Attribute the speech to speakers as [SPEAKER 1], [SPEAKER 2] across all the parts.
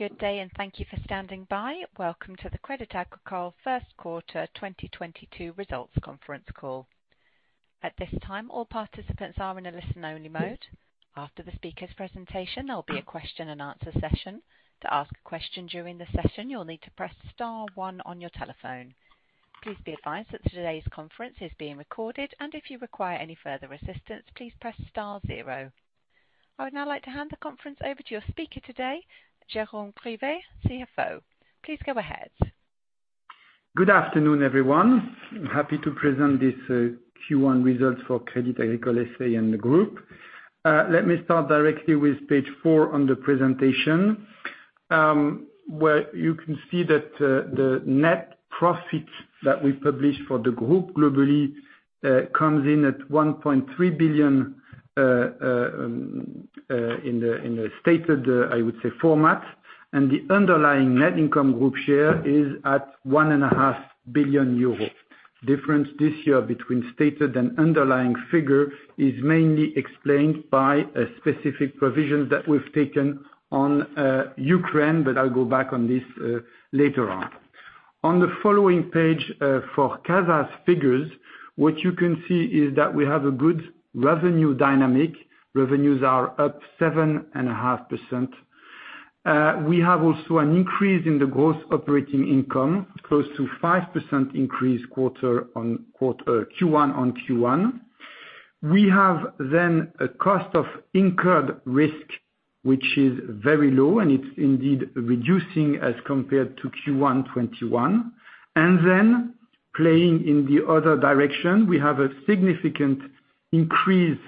[SPEAKER 1] Good day, and thank you for standing by. Welcome to the Crédit Agricole first quarter 2022 results conference call. At this time, all participants are in a listen-only mode. After the speaker's presentation, there'll be a question and answer session. To ask a question during the session, you'll need to press star one on your telephone. Please be advised that today's conference is being recorded, and if you require any further assistance, please press star zero. I would now like to hand the conference over to your speaker today, Jérôme Grivet, CFO. Please go ahead.
[SPEAKER 2] Good afternoon, everyone. Happy to present this Q1 results for Crédit Agricole S.A. and the group. Let me start directly with page four on the presentation, where you can see that the net profit that we publish for the group globally comes in at 1.3 billion in the stated, I would say, format, and the underlying net income group share is at 1.5 billion euros. Difference this year between stated and underlying figure is mainly explained by a specific provision that we've taken on Ukraine, but I'll go back on this later on. On the following page, for CASA's figures, what you can see is that we have a good revenue dynamic. Revenues are up 7.5%. We have also an increase in the gross operating income, close to 5% increase quarter-over-quarter, Q1 on Q1. We have a cost of incurred risk, which is very low, and it's indeed reducing as compared to Q1 2021. Playing in the other direction, we have a significant increase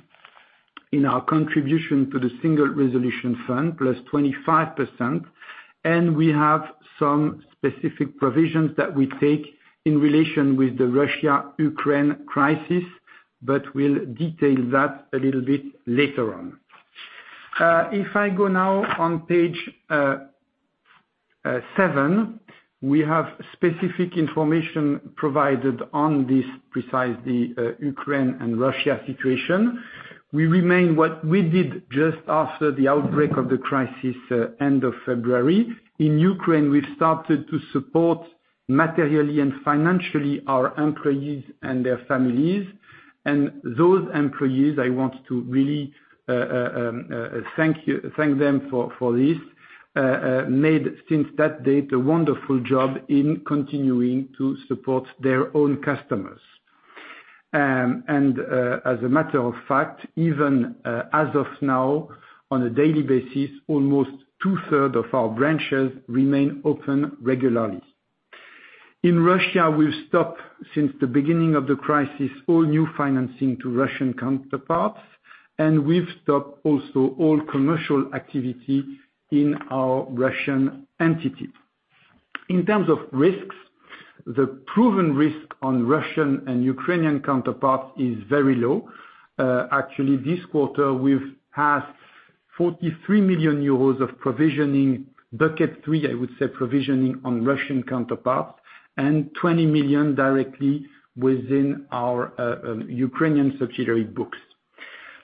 [SPEAKER 2] in our contribution to the Single Resolution Fund, +25%, and we have some specific provisions that we take in relation with the Russia-Ukraine crisis, but we'll detail that a little bit later on. If I go now on page seven, we have specific information provided on this precisely, Ukraine and Russia situation. We remain with what we did just after the outbreak of the crisis, end of February. In Ukraine, we've started to support materially and financially our employees and their families. Those employees, I want to really thank them for this made since that date a wonderful job in continuing to support their own customers. As a matter of fact, even as of now, on a daily basis, almost two-thirds of our branches remain open regularly. In Russia, we've stopped, since the beginning of the crisis, all new financing to Russian counterparts, and we've stopped also all commercial activity in our Russian entity. In terms of risks, the proven risk on Russian and Ukrainian counterparts is very low. Actually, this quarter we've had 43 million euros of provisioning, bucket three, I would say, provisioning on Russian counterparts and 20 million directly within our Ukrainian subsidiary books.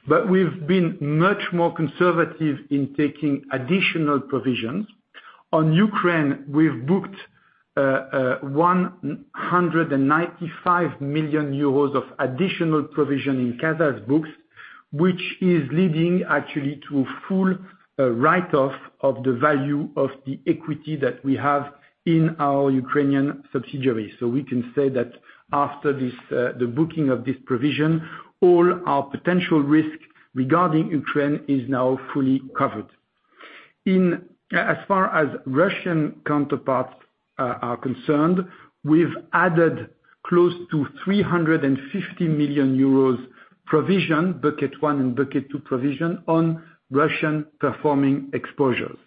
[SPEAKER 2] But we've been much more conservative in taking additional provisions. On Ukraine, we've booked 195 million euros of additional provision in CASA's books, which is leading actually to full write-off of the value of the equity that we have in our Ukrainian subsidiaries. We can say that after this, the booking of this provision, all our potential risk regarding Ukraine is now fully covered. As far as Russian counterparts are concerned, we've added close to 350 million euros provision, bucket one and bucket two provision, on Russian-performing exposures.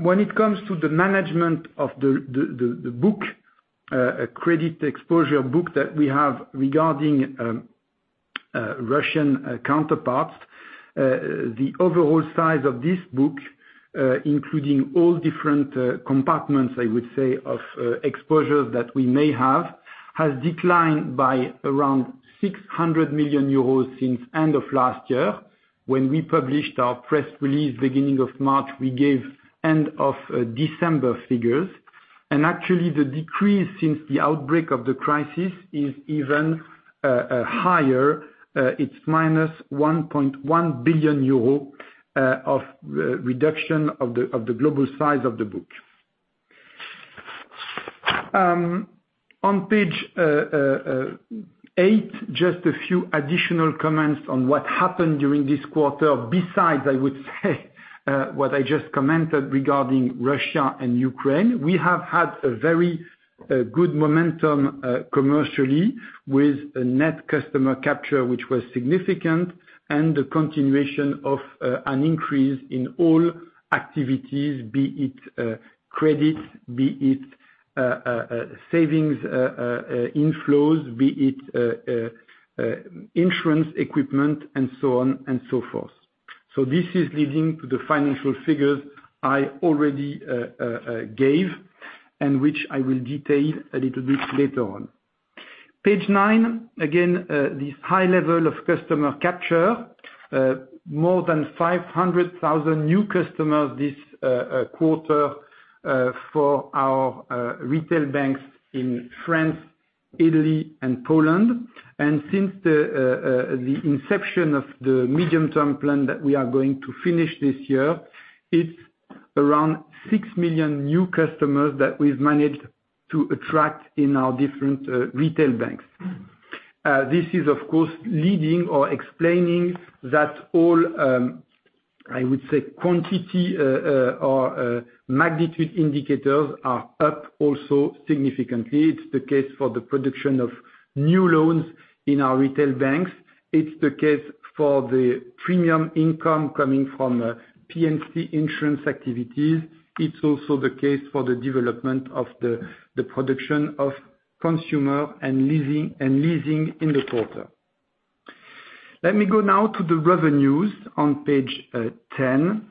[SPEAKER 2] When it comes to the management of the book, credit exposure book that we have regarding Russian counterparties, the overall size of this book, including all different compartments, I would say of exposures that we may have, has declined by around 600 million euros since end of last year. When we published our press release beginning of March, we gave end of December figures. Actually, the decrease since the outbreak of the crisis is even higher. It's minus 1.1 billion euro of reduction of the global size of the book. On page eight, just a few additional comments on what happened during this quarter. Besides, I would say, what I just commented regarding Russia and Ukraine, we have had a very good momentum commercially with a net customer capture which was significant and the continuation of an increase in all activities, be it credit, be it savings inflows, be it insurance, equipment and so on and so forth. This is leading to the financial figures I already gave and which I will detail a little bit later on. Page nine, again, this high level of customer capture, more than 500,000 new customers this quarter, for our retail banks in France, Italy, and Poland. Since the inception of the medium-term plan that we are going to finish this year, it's around six million new customers that we've managed to attract in our different retail banks. This is, of course, leading or explaining that all, I would say quantity or magnitude indicators are up also significantly. It's the case for the production of new loans in our retail banks. It's the case for the premium income coming from P&C insurance activities. It's also the case for the development of the production of consumer and leasing in the quarter. Let me go now to the revenues on page 10.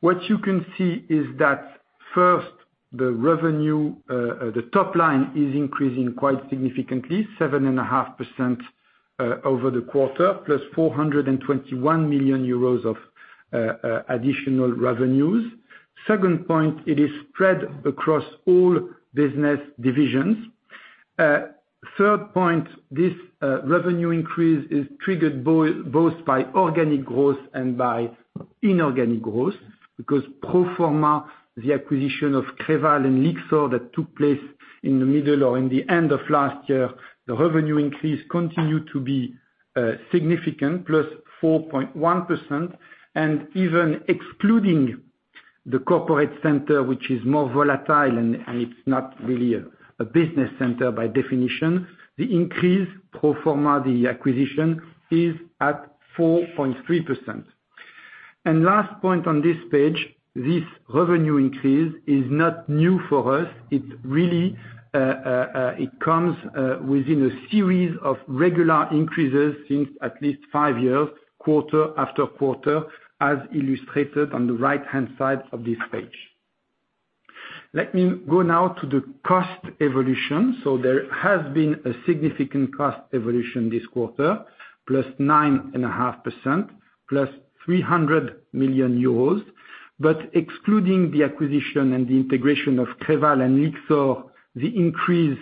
[SPEAKER 2] What you can see is that first the revenue, the top line is increasing quite significantly, 7.5%, over the quarter, plus 421 million euros of additional revenues. Second point, it is spread across all business divisions. Third point, this revenue increase is triggered both by organic growth and by inorganic growth. Because pro forma, the acquisition of Creval and Lyxor that took place in the middle or in the end of last year, the revenue increase continued to be significant, +4.1%. Even excluding the corporate center, which is more volatile and it's not really a business center by definition, the increase pro forma the acquisition is at 4.3%. Last point on this page, this revenue increase is not new for us. It really comes within a series of regular increases since at least five years, quarter after quarter, as illustrated on the right-hand side of this page. Let me go now to the cost evolution. There has been a significant cost evolution this quarter, +9.5%, +300 million euros. Excluding the acquisition and the integration of Creval and Lyxor, the increase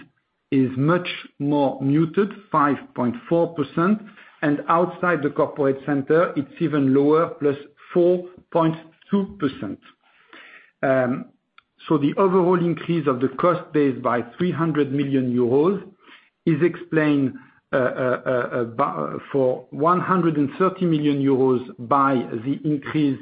[SPEAKER 2] is much more muted, 5.4%. Outside the corporate center, it's even lower, +4.2%. The overall increase of the cost base by 300 million euros is explained by 130 million euros by the increase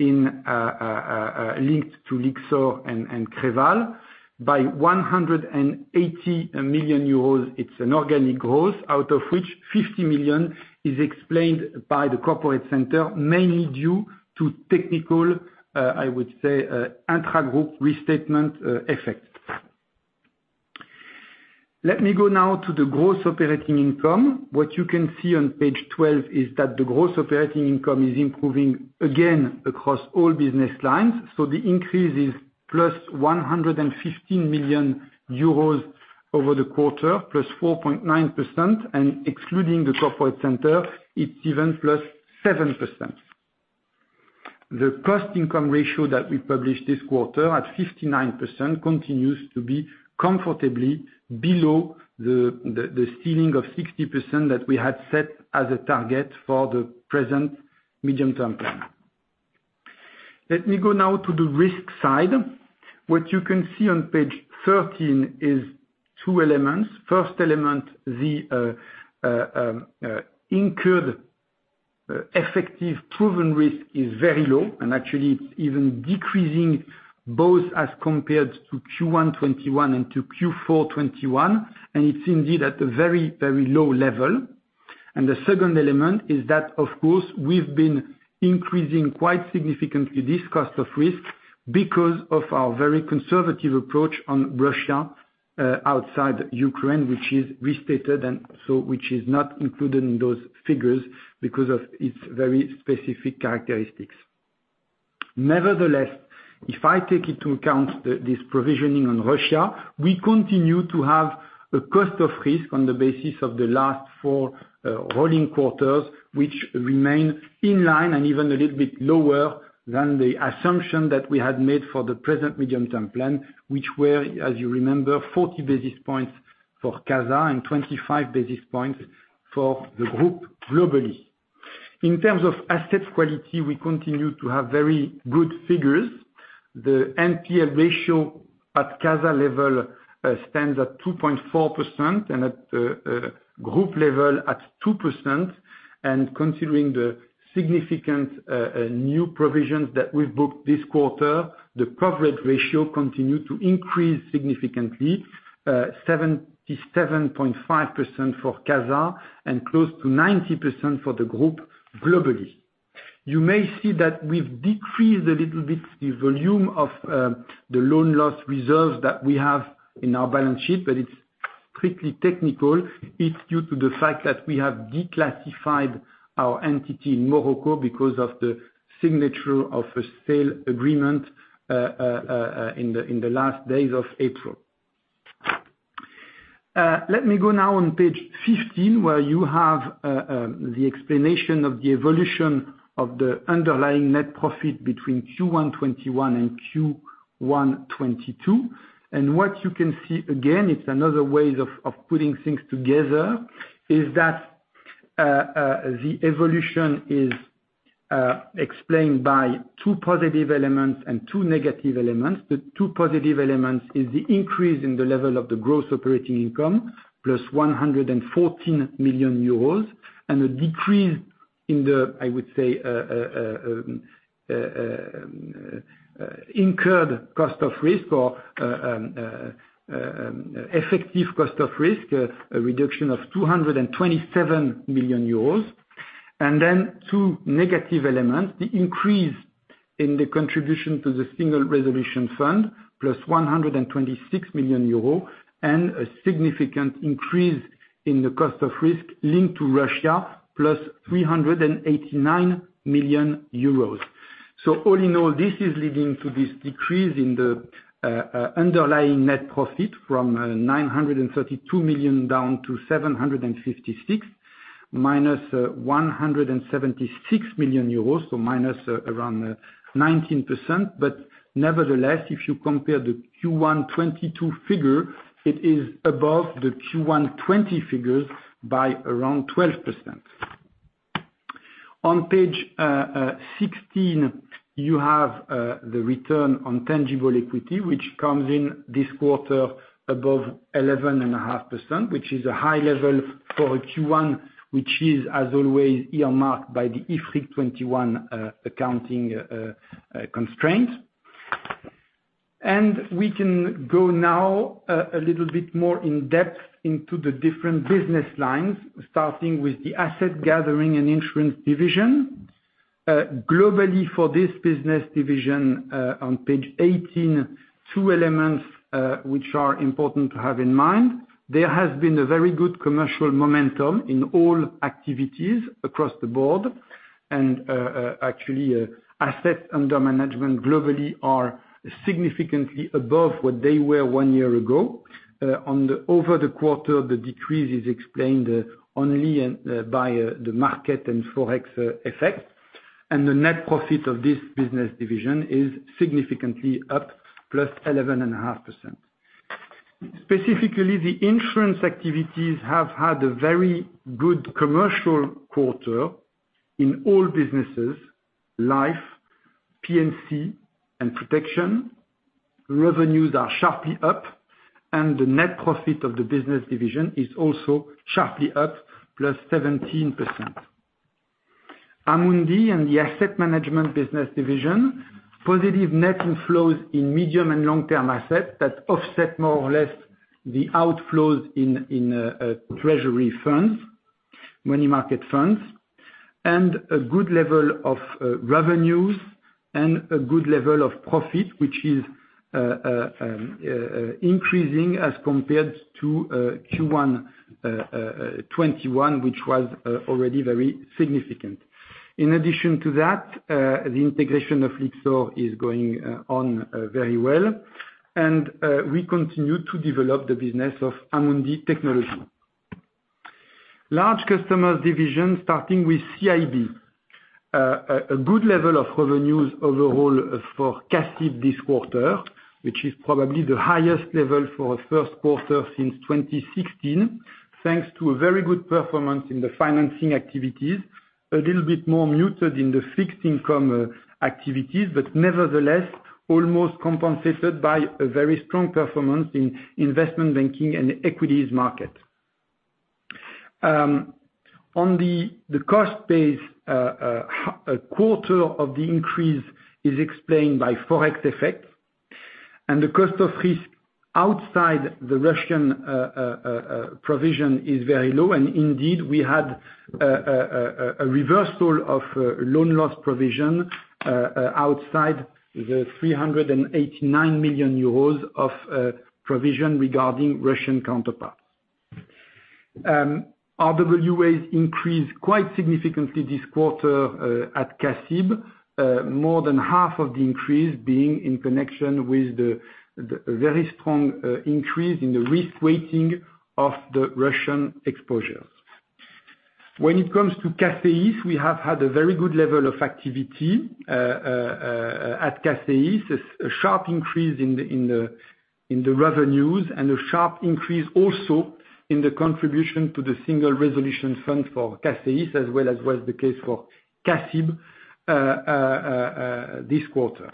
[SPEAKER 2] linked to Lyxor and Creval. By 180 million euros it's an organic growth, out of which 50 million is explained by the corporate center, mainly due to technical, I would say, intra-group restatement, effect. Let me go now to the gross operating income. What you can see on page 12 is that the gross operating income is improving again across all business lines. The increase is +115 million euros over the quarter, +4.9%, and excluding the corporate center, it's even +7%. The cost income ratio that we published this quarter at 59% continues to be comfortably below the ceiling of 60% that we had set as a target for the present medium-term plan. Let me go now to the risk side. What you can see on page 13 is two elements. First element, the cost of risk is very low, and actually it's even decreasing both as compared to Q1 2021 and to Q4 2021, and it's indeed at a very, very low level. The second element is that of course we've been increasing quite significantly this cost of risk because of our very conservative approach on Russia outside Ukraine, which is restated and so which is not included in those figures because of its very specific characteristics. Nevertheless, if I take into account this provisioning on Russia, we continue to have a cost of risk on the basis of the last four rolling quarters, which remain in line and even a little bit lower than the assumption that we had made for the present medium-term plan, which were, as you remember, 40 basis points for CASA and 25 basis points for the group globally. In terms of asset quality, we continue to have very good figures. The NPL ratio at CASA level stands at 2.4%, and at group level at 2%. Considering the significant new provisions that we've booked this quarter, the coverage ratio continued to increase significantly, 77.5% for CASA and close to 90% for the group globally. You may see that we've decreased a little bit the volume of the loan loss reserve that we have in our balance sheet, but it's strictly technical. It's due to the fact that we have declassified our entity in Morocco because of the signature of a sale agreement in the last days of April. Let me go now on page 15, where you have the explanation of the evolution of the underlying net profit between Q1 2021 and Q1 2022. What you can see, again, it's another way of putting things together, is that the evolution is explained by two positive elements and two negative elements. The two positive elements is the increase in the level of the gross operating income, plus 114 million euros, and a decrease in the, I would say, incurred cost of risk or, effective cost of risk, a reduction of 227 million euros. Two negative elements, the increase in the contribution to the Single Resolution Fund, plus 126 million euros, and a significant increase in the cost of risk linked to Russia, plus 389 million euros. All in all, this is leading to this decrease in the underlying net profit from 932 million down to 756 million, minus 176 million euros, so minus around 19%. Nevertheless, if you compare the Q1 2022 figure, it is above the Q1 2020 figures by around 12%. On page 16, you have the return on tangible equity, which comes in this quarter above 11.5%, which is a high level for a Q1, which is, as always, earmarked by the IFRIC 21 accounting constraint. We can go now a little bit more in-depth into the different business lines, starting with the asset gathering and insurance division. Globally, for this business division, on page 18, two elements which are important to have in mind. There has been a very good commercial momentum in all activities across the board, and actually, assets under management globally are significantly above what they were one year ago. Over the quarter, the decrease is explained only by the market and Forex effect. The net profit of this business division is significantly up, +11.5%. Specifically, the insurance activities have had a very good commercial quarter in all businesses, life, P&C and protection. Revenues are sharply up, and the net profit of the business division is also sharply up, +17%. Amundi and the asset management business division, positive net inflows in medium and long-term assets that offset more or less the outflows in treasury funds, money market funds, and a good level of revenues and a good level of profit, which is increasing as compared to Q1 2021, which was already very significant. In addition to that, the integration of Lyxor is going on very well, and we continue to develop the business of Amundi Technology. Large customers division, starting with CIB. A good level of revenues overall for CA-CIB this quarter, which is probably the highest level for a first quarter since 2016, thanks to a very good performance in the financing activities. A little bit more muted in the fixed income activities, but nevertheless, almost compensated by a very strong performance in investment banking and equities market. On the cost base, a quarter of the increase is explained by Forex effect. The cost of risk outside the Russian provision is very low. Indeed, we had a reversal of loan loss provision outside the 389 million euros of provision regarding Russian counterparties. RWAs increased quite significantly this quarter at CA-CIB, more than half of the increase being in connection with the very strong increase in the risk weighting of the Russian exposure. When it comes to CACEIS, we have had a very good level of activity at CACEIS. A sharp increase in the revenues and a sharp increase also in the contribution to the single resolution fund for CACEIS, as well as was the case for CA-CIB this quarter.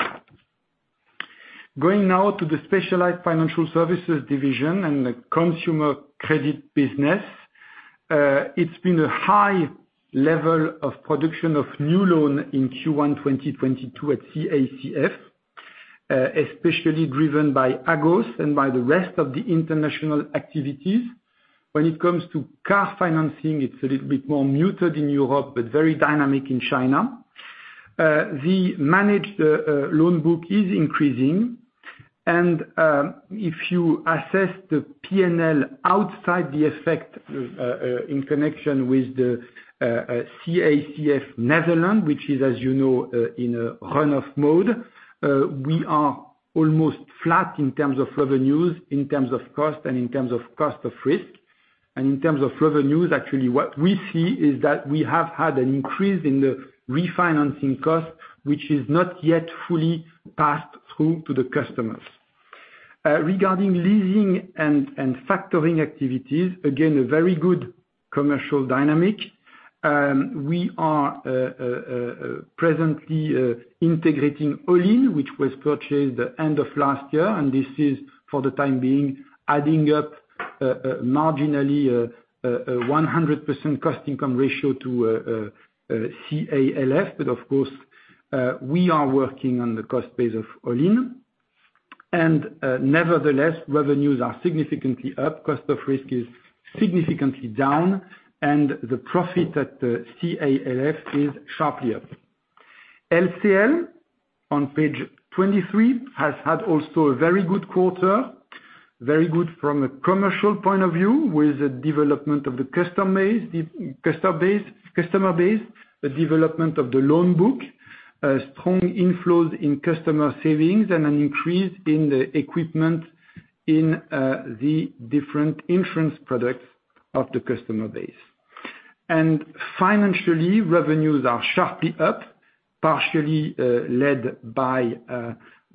[SPEAKER 2] Going now to the specialized financial services division and the consumer credit business. It's been a high level of production of new loan in Q1 2022 at CACF, especially driven by Agos and by the rest of the international activities. When it comes to car financing, it's a little bit more muted in Europe, but very dynamic in China. The managed loan book is increasing. If you assess the P&L outside the effect in connection with the CACF Netherlands, which is as you know in a run-off mode, we are almost flat in terms of revenues, in terms of cost, and in terms of cost of risk. In terms of revenues, actually, what we see is that we have had an increase in the refinancing costs, which is not yet fully passed through to the customers. Regarding leasing and factoring activities, again, a very good commercial dynamic. We are presently integrating Olinn, which was purchased end of last year, and this is for the time being adding up marginally a 100% cost income ratio to CAL&F. Of course, we are working on the cost base of Olinn. Nevertheless, revenues are significantly up. Cost of risk is significantly down, and the profit at the CAL&F is sharply up. LCL, on page 23, has had also a very good quarter, very good from a commercial point of view with the development of the customization of the customer base, the development of the loan book, strong inflows in customer savings, and an increase in the equipping in the different insurance products of the customer base. Financially, revenues are sharply up, partially led by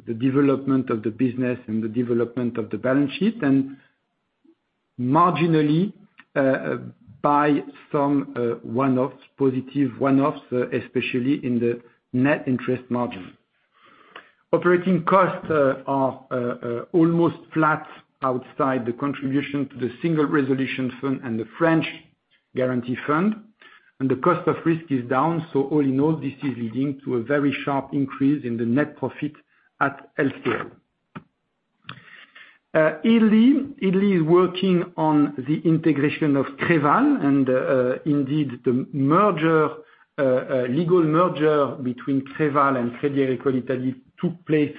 [SPEAKER 2] the development of the business and the development of the balance sheet, and marginally by some one-offs, positive one-offs, especially in the net interest margin. Operating costs are almost flat outside the contribution to the Single Resolution Fund and the French Guarantee Fund. The cost of risk is down, so all in all, this is leading to a very sharp increase in the net profit at LCL. Italy is working on the integration of Creval and indeed, the legal merger between Creval and Crédit Agricole Italia took place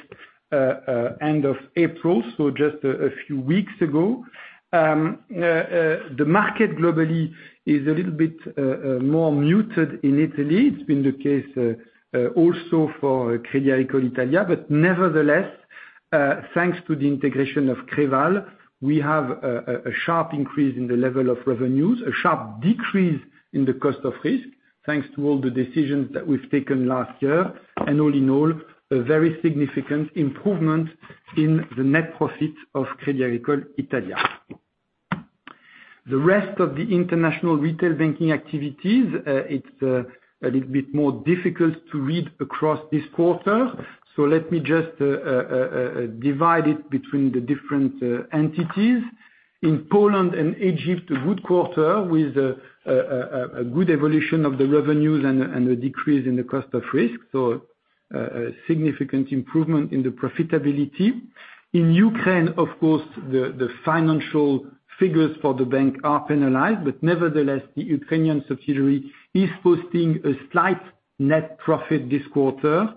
[SPEAKER 2] end of April, so just a few weeks ago. The market globally is a little bit more muted in Italy. It's been the case also for Crédit Agricole Italia. Nevertheless, thanks to the integration of Creval, we have a sharp increase in the level of revenues, a sharp decrease in the cost of risk, thanks to all the decisions that we've taken last year. All in all, a very significant improvement in the net profit of Crédit Agricole Italia. The rest of the international retail banking activities, it's a little bit more difficult to read across this quarter, so let me just divide it between the different entities. In Poland and Egypt, a good quarter with a good evolution of the revenues and a decrease in the cost of risk, so a significant improvement in the profitability. In Ukraine, of course, the financial figures for the bank are penalized, but nevertheless, the Ukrainian subsidiary is posting a slight net profit this quarter.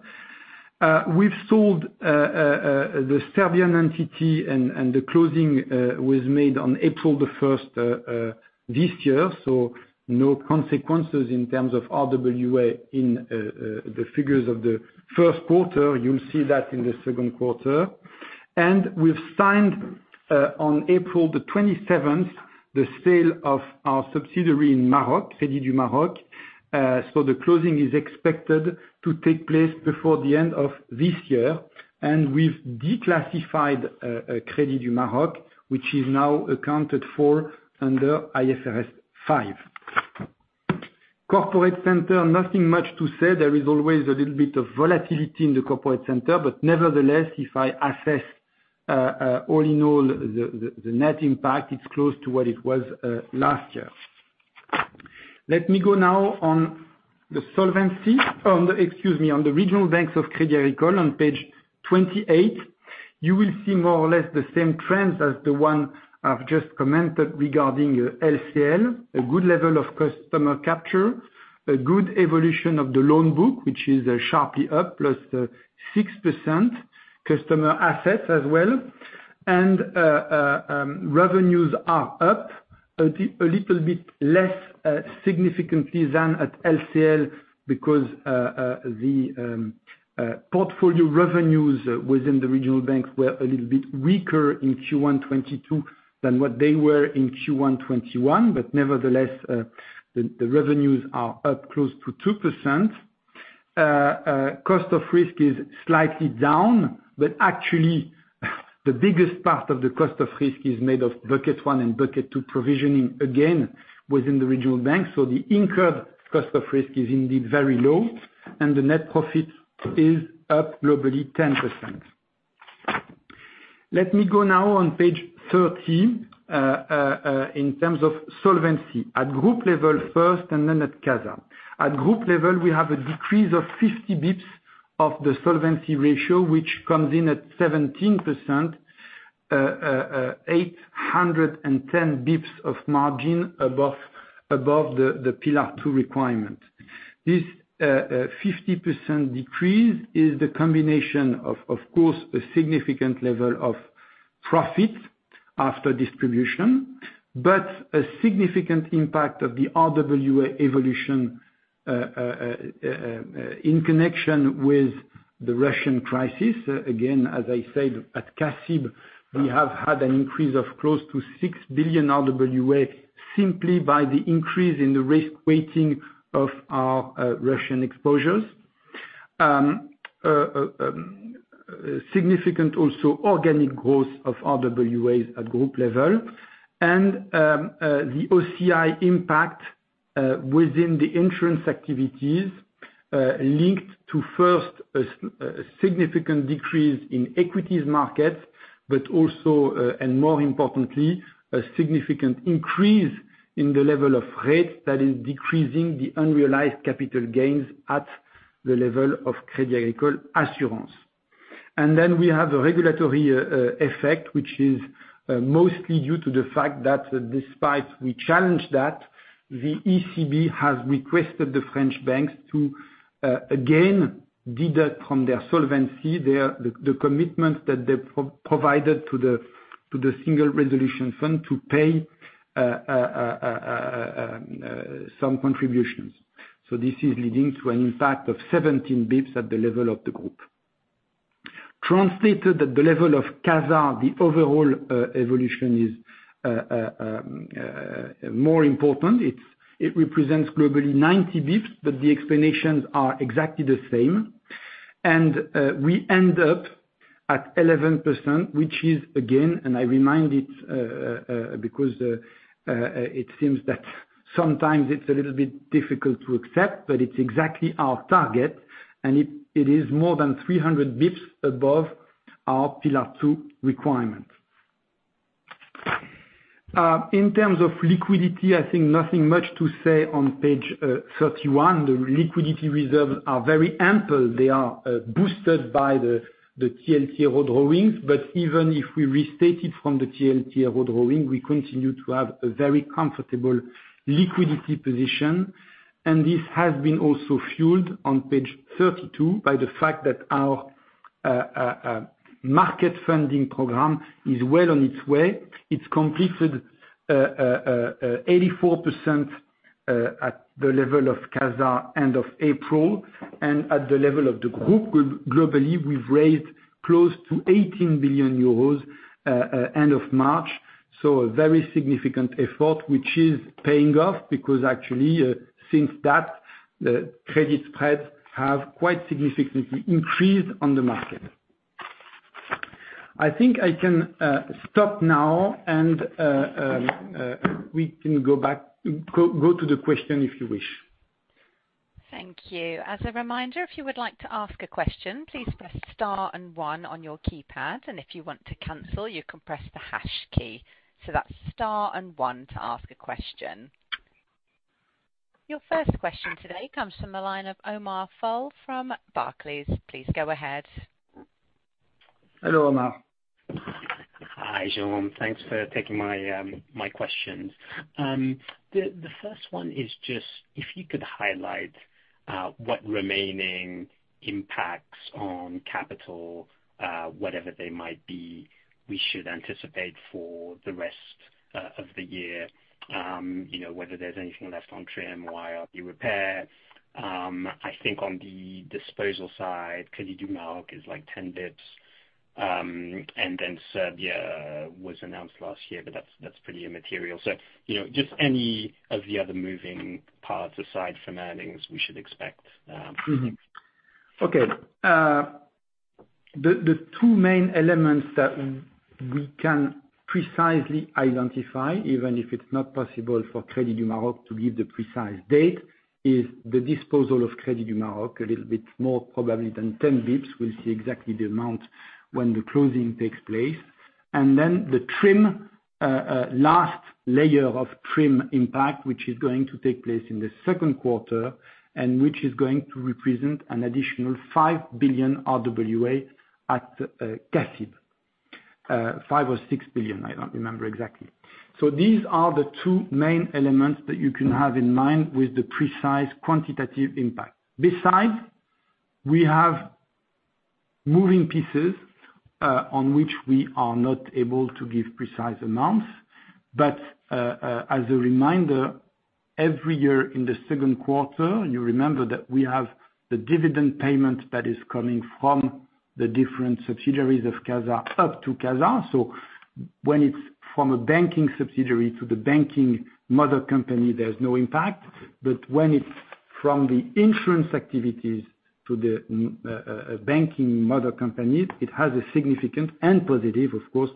[SPEAKER 2] We've sold the Serbian entity and the closing was made on April 1 this year, so no consequences in terms of RWA in the figures of the first quarter. You'll see that in the second quarter. We've signed on April 27 the sale of our subsidiary in Morocco, Crédit du Maroc. So the closing is expected to take place before the end of this year, and we've reclassified Crédit du Maroc, which is now accounted for under IFRS 5. Corporate center, nothing much to say. There is always a little bit of volatility in the corporate center, but nevertheless, if I assess all in all, the net impact, it's close to what it was last year. Let me go now on the solvency, excuse me, on the regional banks of Crédit Agricole on page 28. You will see more or less the same trends as the one I've just commented regarding LCL. A good level of customer capture, a good evolution of the loan book, which is sharply up, plus 6% customer assets as well. Revenues are up a little bit less significantly than at LCL because the portfolio revenues within the regional banks were a little bit weaker in Q1 2022 than what they were in Q1 2021. Nevertheless, the revenues are up close to 2%. Cost of risk is slightly down, but actually the biggest part of the cost of risk is made of bucket one and bucket two provisioning, again, within the regional banks. The incurred cost of risk is indeed very low, and the net profit is up globally 10%. Let me go now on page 13, in terms of solvency. At group level first and then at CASA. At group level, we have a decrease of 50 basis points of the solvency ratio, which comes in at 17%, 810 basis points of margin above the Pillar 2 requirement. This 50 bps decrease is the combination of course, a significant level of profit after distribution, but a significant impact of the RWA evolution, in connection with the Russian crisis. Again, as I said, at CA-CIB, we have had an increase of close to 6 billion RWA simply by the increase in the risk weighting of our Russian exposures. Significant also organic growth of RWAs at group level and the OCI impact within the insurance activities linked to, first, a significant decrease in equities markets, but also, and more importantly, a significant increase in the level of rates that is decreasing the unrealized capital gains at the level of Crédit Agricole Assurances. Then we have a regulatory effect, which is mostly due to the fact that despite we challenge that, the ECB has requested the French banks to again deduct from their solvency their, the commitments that they provided to the Single Resolution Fund to pay some contributions. This is leading to an impact of 17 basis points at the level of the group. Translated at the level of CASA, the overall evolution is more important. It represents globally 90 basis points, but the explanations are exactly the same. We end up at 11%, which is again, and I remind you, because it seems that sometimes it's a little bit difficult to accept, but it's exactly our target, and it is more than 300 basis points above our Pillar 2 requirement. In terms of liquidity, I think nothing much to say on page 31. The liquidity reserves are very ample. They are boosted by the TLTRO drawings. Even if we restate it from the TLTRO drawing, we continue to have a very comfortable liquidity position. This has been also fueled on page 32 by the fact that our market funding program is well on its way. It's completed 84% at the level of CASA end of April, and at the level of the group globally, we've raised close to 18 billion euros end of March. A very significant effort, which is paying off because actually, since then, the credit spreads have quite significantly increased on the market. I think I can stop now and we can go back to the question if you wish.
[SPEAKER 1] Thank you. As a reminder, if you would like to ask a question, please press star and one on your keypad, and if you want to cancel, you can press the hash key. So that's star and one to ask a question. Your first question today comes from the line of Omar Fall from Barclays. Please go ahead.
[SPEAKER 2] Hello, Omar.
[SPEAKER 3] Hi, Jérôme. Thanks for taking my questions. The first one is just if you could highlight what remaining impacts on capital, whatever they might be, we should anticipate for the rest of the year, you know, whether there's anything left on TRIM, IRB repair. I think on the disposal side, Crédit du Maroc is, like, 10 basis points. And then Serbia was announced last year, but that's pretty immaterial. You know, just any of the other moving parts aside from earnings we should expect.
[SPEAKER 2] The two main elements that we can precisely identify, even if it's not possible for Crédit du Maroc to give the precise date, is the disposal of Crédit du Maroc, a little bit more probably than 10 bps. We'll see exactly the amount when the closing takes place. The TRIM last layer of TRIM impact, which is going to take place in the second quarter and which is going to represent an additional 5 billion RWA at CA-CIB, 5 billion or 6 billion, I don't remember exactly. These are the two main elements that you can have in mind with the precise quantitative impact. Besides, we have moving pieces on which we are not able to give precise amounts. As a reminder, every year in the second quarter, you remember that we have the dividend payment that is coming from the different subsidiaries of Casa up to Casa. When it's from a banking subsidiary to the banking mother company, there's no impact. When it's from the insurance activities to the banking mother company, it has a significant and positive, of course,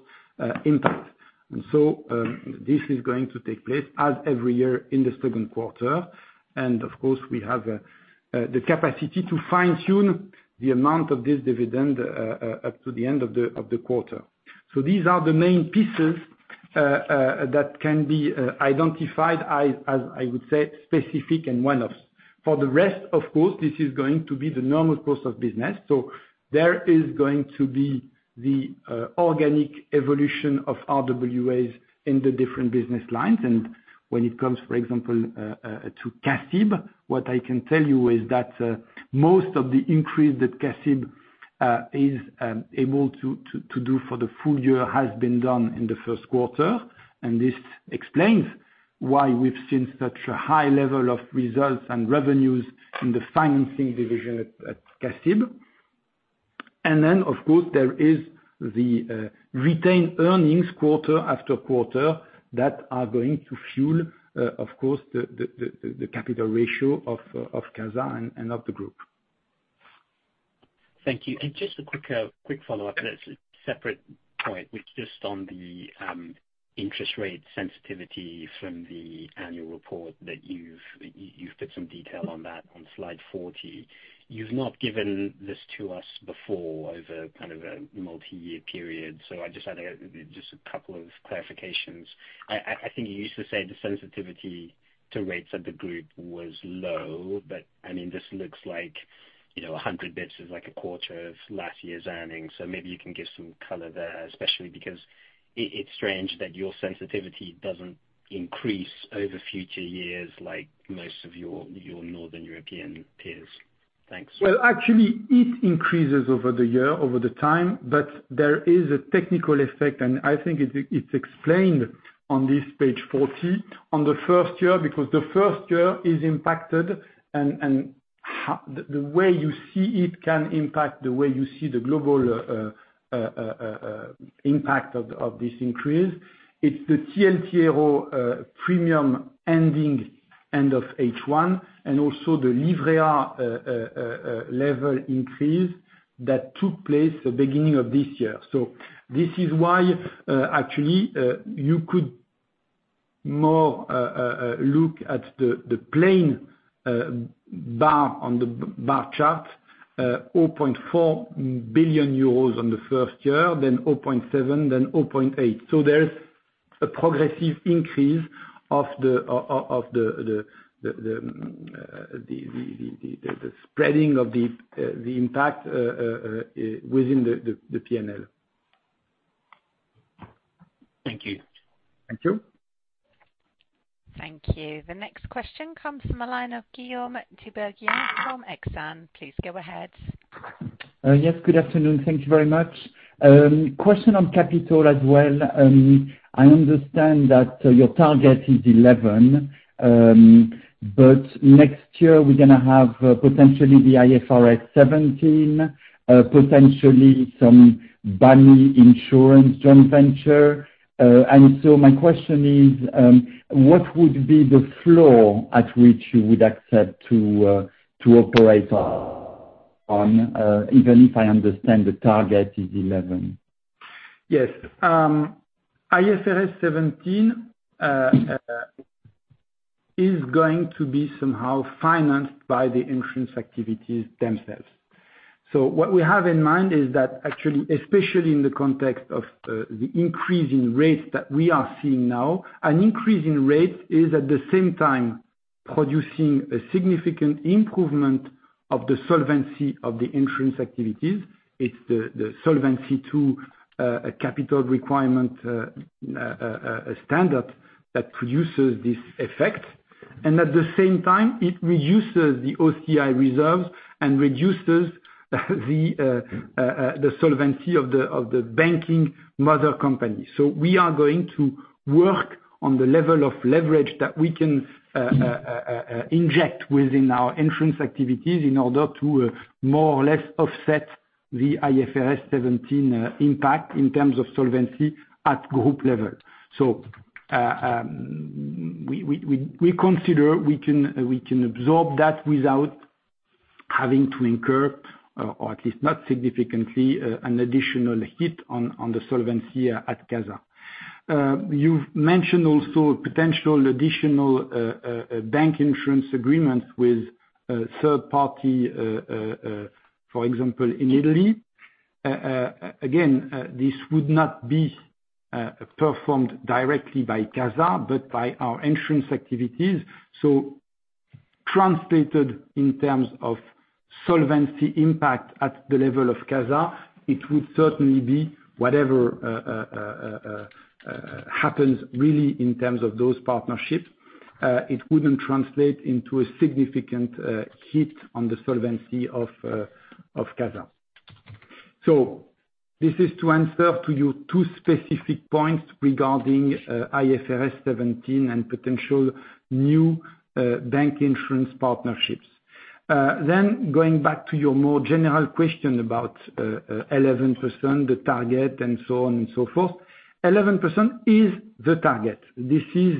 [SPEAKER 2] impact. This is going to take place as every year in the second quarter. Of course, we have the capacity to fine-tune the amount of this dividend up to the end of the quarter. These are the main pieces that can be identified, as I would say, specific and one-offs. For the rest, of course, this is going to be the normal course of business. There is going to be the organic evolution of RWAs in the different business lines. When it comes, for example, to CA-CIB, what I can tell you is that most of the increase that CA-CIB is able to do for the full year has been done in the first quarter, and this explains why we've seen such a high level of results and revenues in the financing division at CA-CIB. Of course, there is the retained earnings quarter after quarter that are going to fuel of course the capital ratio of CASA and of the group.
[SPEAKER 3] Thank you. Just a quick follow-up, and it's a separate point, which just on the interest rate sensitivity from the annual report that you've put some detail on that on slide 40. You've not given this to us before over kind of a multi-year period. I just had a couple of clarifications. I think you used to say the sensitivity to rates of the group was low, but I mean, this looks like, you know, 100 basis points is like a quarter of last year's earnings. Maybe you can give some color there, especially because it's strange that your sensitivity doesn't increase over future years like most of your Northern European peers. Thanks.
[SPEAKER 2] Actually, it increases over the year, over the time, but there is a technical effect, and I think it's explained on this page 40. On the first year, because the first year is impacted the way you see it can impact the way you see the global impact of this increase. It's the TLTRO premium ending end of H1 and also the Livret level increase that took place the beginning of this year. This is why, actually, you could more look at the plain bar on the bar chart, 0.4 billion euros on the first year, then 0.7 billion, then 0.8 billion. There's a progressive increase of the spreading of the impact within the P&L.
[SPEAKER 3] Thank you.
[SPEAKER 2] Thank you.
[SPEAKER 1] Thank you. The next question comes from the line of Guillaume Tiberghien from Exane. Please go ahead.
[SPEAKER 4] Yes, good afternoon. Thank you very much. Question on capital as well. I understand that your target is 11%, but next year we're gonna have potentially the IFRS 17, potentially some bunny insurance joint venture. My question is, what would be the floor at which you would accept to operate on, even if I understand the target is 11%?
[SPEAKER 2] Yes. IFRS 17 is going to be somehow financed by the insurance activities themselves. What we have in mind is that actually, especially in the context of the increase in rates that we are seeing now, an increase in rate is at the same time producing a significant improvement of the solvency of the insurance activities. It's the solvency to a capital requirement standard that produces this effect. At the same time, it reduces the OCI reserves and reduces the solvency of the banking mother company. We are going to work on the level of leverage that we can inject within our insurance activities in order to more or less offset the IFRS 17 impact in terms of solvency at group level. We consider we can absorb that without having to incur, or at least not significantly, an additional hit on the solvency at CASA. You've mentioned also potential additional bank insurance agreements with third party, for example, in Italy. This would not be performed directly by CASA, but by our insurance activities. Translated in terms of solvency impact at the level of CASA, it would certainly be whatever happens really in terms of those partnerships. It wouldn't translate into a significant hit on the solvency of CASA. This is to answer to your two specific points regarding IFRS 17 and potential new bank insurance partnerships. Going back to your more general question about 11%, the target, and so on and so forth. 11% is the target. This is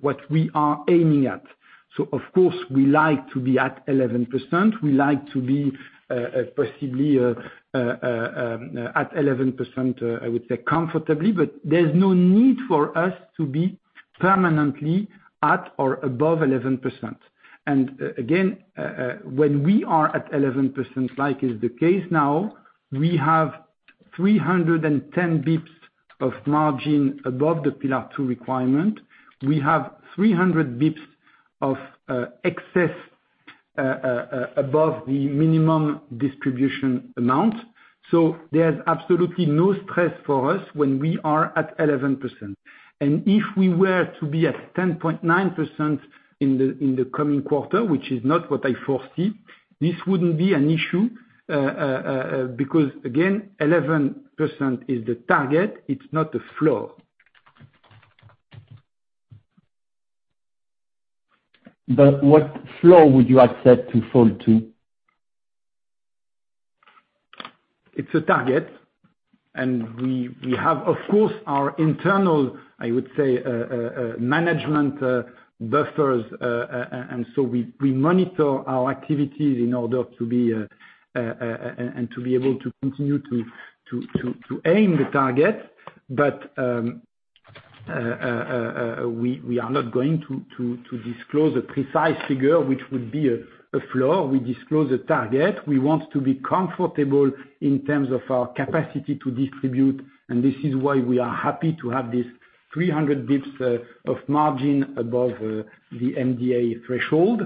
[SPEAKER 2] what we are aiming at. Of course, we like to be at 11%. We like to be possibly at 11%, I would say comfortably, but there's no need for us to be permanently at or above 11%. Again, when we are at 11%, as is the case now, we have 310 basis points of margin above the Pillar 2 requirement. We have 300 basis points of excess above the minimum distribution amount. There's absolutely no stress for us when we are at 11%. If we were to be at 10.9% in the coming quarter, which is not what I foresee, this wouldn't be an issue, because again, 11% is the target. It's not the floor.
[SPEAKER 4] What flow would you accept to fall to?
[SPEAKER 2] It's a target, and we have, of course, our internal, I would say, management buffers. We monitor our activities in order to be able to continue to aim the target. We are not going to disclose a precise figure which would be a flow. We disclose a target. We want to be comfortable in terms of our capacity to distribute, and this is why we are happy to have this 300 basis points of margin above the MDA threshold.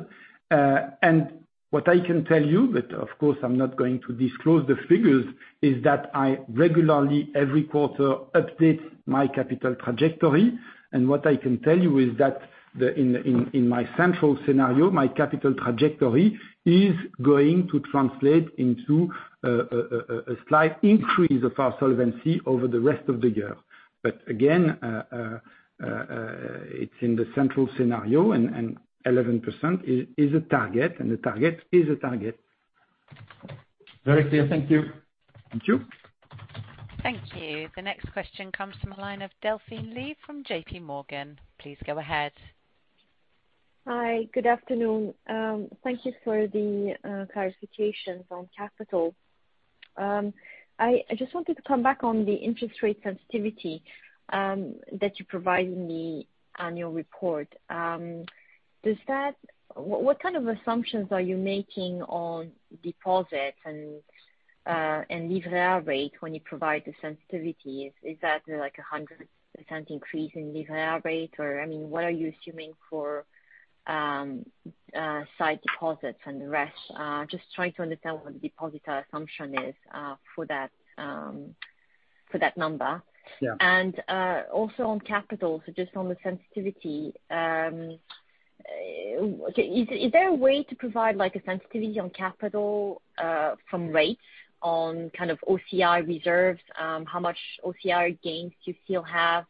[SPEAKER 2] What I can tell you, but of course I'm not going to disclose the figures, is that I regularly, every quarter, update my capital trajectory. What I can tell you is that in my central scenario, my capital trajectory is going to translate into a slight increase of our solvency over the rest of the year. Again, it's in the central scenario and 11% is a target, and the target is a target.
[SPEAKER 4] Very clear. Thank you.
[SPEAKER 2] Thank you.
[SPEAKER 1] Thank you. The next question comes from a line of Delphine Lee from JPMorgan. Please go ahead.
[SPEAKER 5] Hi, good afternoon. Thank you for the clarifications on capital. I just wanted to come back on the interest rate sensitivity that you provide in the annual report. What kind of assumptions are you making on deposits and Livret rate when you provide the sensitivity? Is that like a 100% increase in Livret rate? Or, I mean, what are you assuming for sight deposits and the rest? Just trying to understand what the deposit assumption is for that number.
[SPEAKER 2] Yeah.
[SPEAKER 5] Also on capital, so just on the sensitivity, okay, is there a way to provide like a sensitivity on capital from rates on kind of OCI reserves? How much OCI gains do you still have?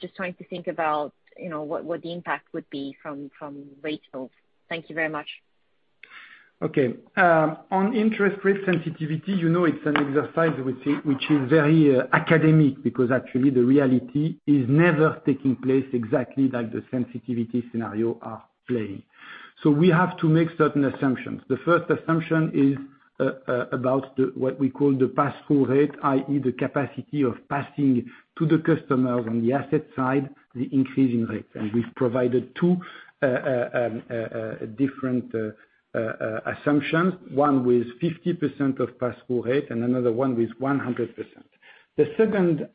[SPEAKER 5] Just trying to think about, you know, what the impact would be from rate moves. Thank you very much.
[SPEAKER 2] Okay. On interest rate sensitivity, you know, it's an exercise which is very academic because actually the reality is never taking place exactly like the sensitivity scenario are playing. We have to make certain assumptions. The first assumption is about what we call the pass-through rate, i.e., the capacity of passing to the customers on the asset side the increasing rates. We've provided two different assumptions. One with 50% pass-through rate and another one with 100%. The second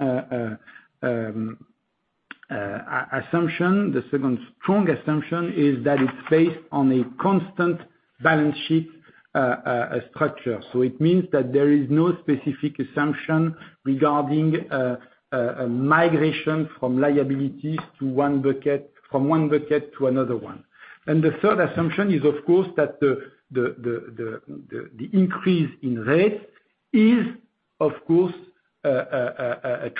[SPEAKER 2] assumption, the second strong assumption, is that it's based on a constant balance sheet structure. It means that there is no specific assumption regarding a migration from liabilities to one bucket, from one bucket to another one. The third assumption is, of course, that the increase in rates is, of course,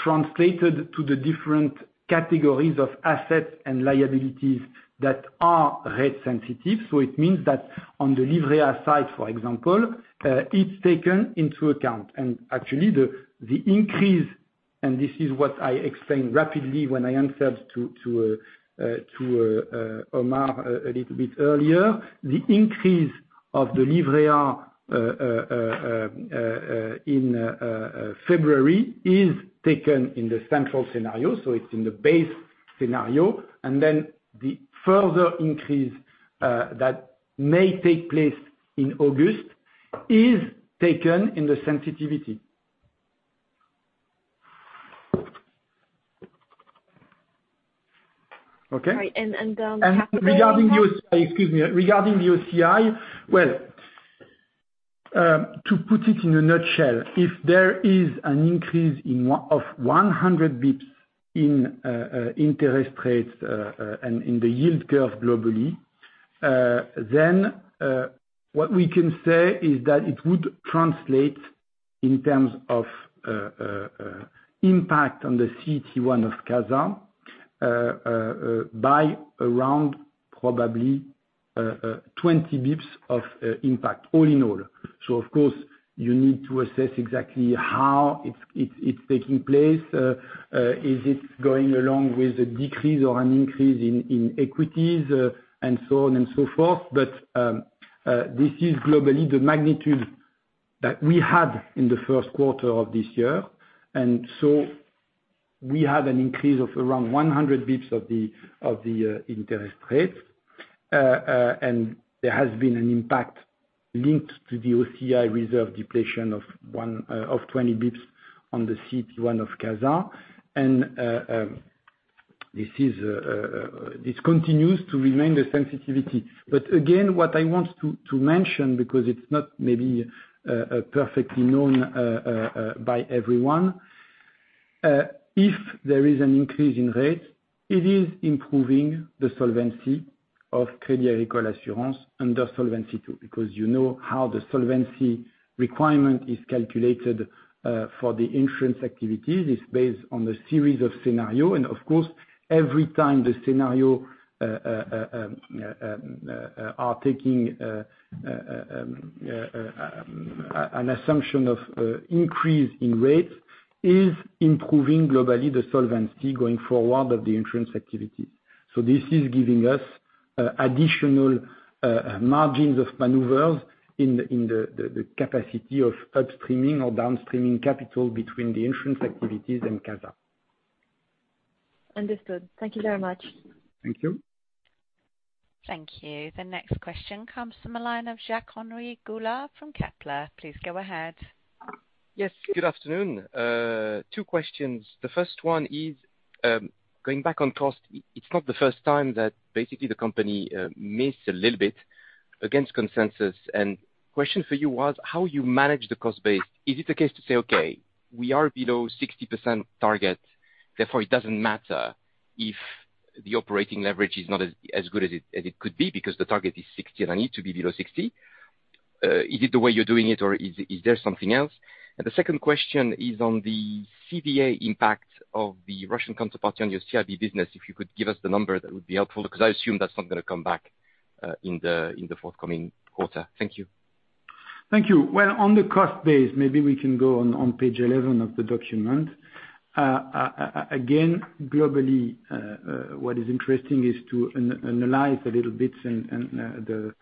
[SPEAKER 2] translated to the different categories of assets and liabilities that are rate sensitive. It means that on the Livret side, for example, it's taken into account. Actually the increase, and this is what I explained rapidly when I answered to Omar a little bit earlier. The increase of the Livret in February is taken in the central scenario, so it's in the base scenario. Then the further increase that may take place in August is taken in the sensitivity. Okay?
[SPEAKER 5] All right. On capital impact?
[SPEAKER 2] Regarding the OCI, well, to put it in a nutshell, if there is an increase of 100 BPS in interest rates and in the yield curve globally, then what we can say is that it would translate in terms of impact on the CET1 of CASA by around probably 20 BPS of impact all in all. Of course, you need to assess exactly how it's taking place. Is it going along with a decrease or an increase in equities, and so on and so forth. This is globally the magnitude that we had in the first quarter of this year. We had an increase of around 100 BPS of the interest rates. There has been an impact linked to the OCI reserve depletion of 20 BPS on the CET1 of CASA. This continues to remain the sensitivity. Again, what I want to mention, because it's not maybe perfectly known by everyone, if there is an increase in rate, it is improving the solvency of Crédit Agricole Assurances under Solvency II. Because you know how the solvency requirement is calculated for the insurance activities. It's based on the series of scenario, and of course, every time the scenario are taking an assumption of increase in rates is improving globally the solvency going forward of the insurance activity. This is giving us additional margins of maneuvers in the capacity of upstreaming or downstreaming capital between the insurance activities and CASA.
[SPEAKER 5] Understood. Thank you very much.
[SPEAKER 2] Thank you.
[SPEAKER 1] Thank you. The next question comes from a line of Jacques-Henri Gaulard from Kepler Cheuvreux. Please go ahead.
[SPEAKER 6] Yes. Good afternoon. Two questions. The first one is, going back on cost. It's not the first time that basically the company missed a little bit against consensus. Question for you was how you manage the cost base. Is it a case to say, "Okay, we are below 60% target, therefore it doesn't matter if the operating leverage is not as good as it could be because the target is 60% and I need to be below 60%." Is it the way you're doing it, or is there something else? The second question is on the CVA impact of the Russian counterparty on your CIB business. If you could give us the number, that would be helpful, because I assume that's not gonna come back in the forthcoming quarter. Thank you.
[SPEAKER 2] Thank you. Well, on the cost base, maybe we can go on page 11 of the document. Again, globally, what is interesting is to analyze a little bit the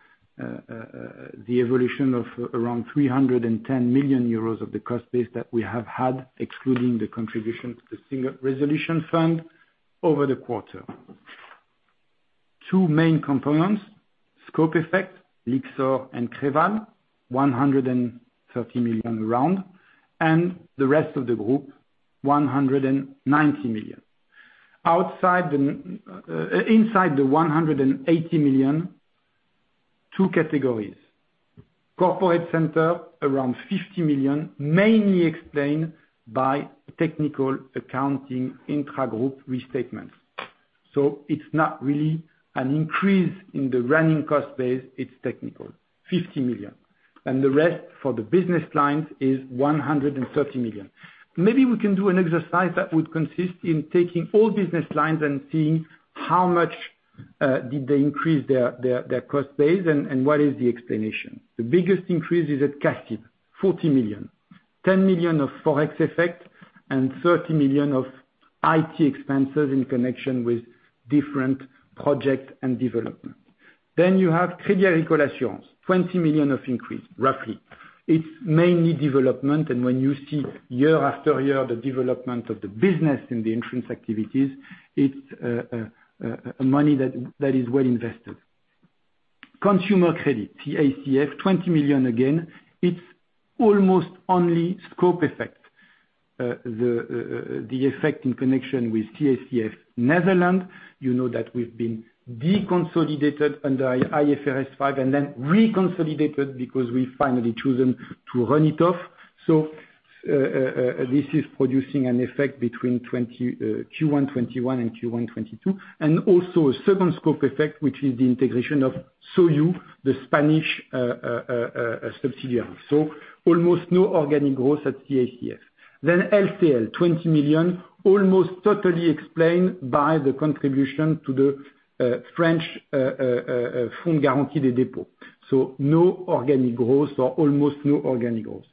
[SPEAKER 2] evolution of around 310 million euros of the cost base that we have had, excluding the contribution to the Single Resolution Fund over the quarter. Two main components, scope effect, Lyxor and Creval, around 130 million, and the rest of the group, 190 million. Outside the scope effect, inside the 180 million, two categories. Corporate center, around 50 million, mainly explained by technical accounting intragroup restatements. So it's not really an increase in the running cost base, it's technical. 50 million. The rest for the business lines is 130 million. Maybe we can do an exercise that would consist in taking all business lines and seeing how much did they increase their cost base, and what is the explanation. The biggest increase is at CACEIS, 40 million. 10 million of Forex effect and 30 million of IT expenses in connection with different project and development. You have Crédit Agricole Assurances, 20 million of increase, roughly. It's mainly development, and when you see year after year the development of the business in the insurance activities, it's money that is well invested. Consumer credit, CACF, 20 million, again. It's almost only scope effect. The effect in connection with CACF Netherlands, you know that we've been deconsolidated under IFRS 5 and then reconsolidated because we finally chosen to run it off. This is producing an effect between Q1 2021 and Q1 2022. Also a second scope effect, which is the integration of SoYou, the Spanish subsidiary. Almost no organic growth at CACF. LCL, 20 million, almost totally explained by the contribution to the French Fonds de Garantie des Dépôts. No organic growth or almost no organic growth.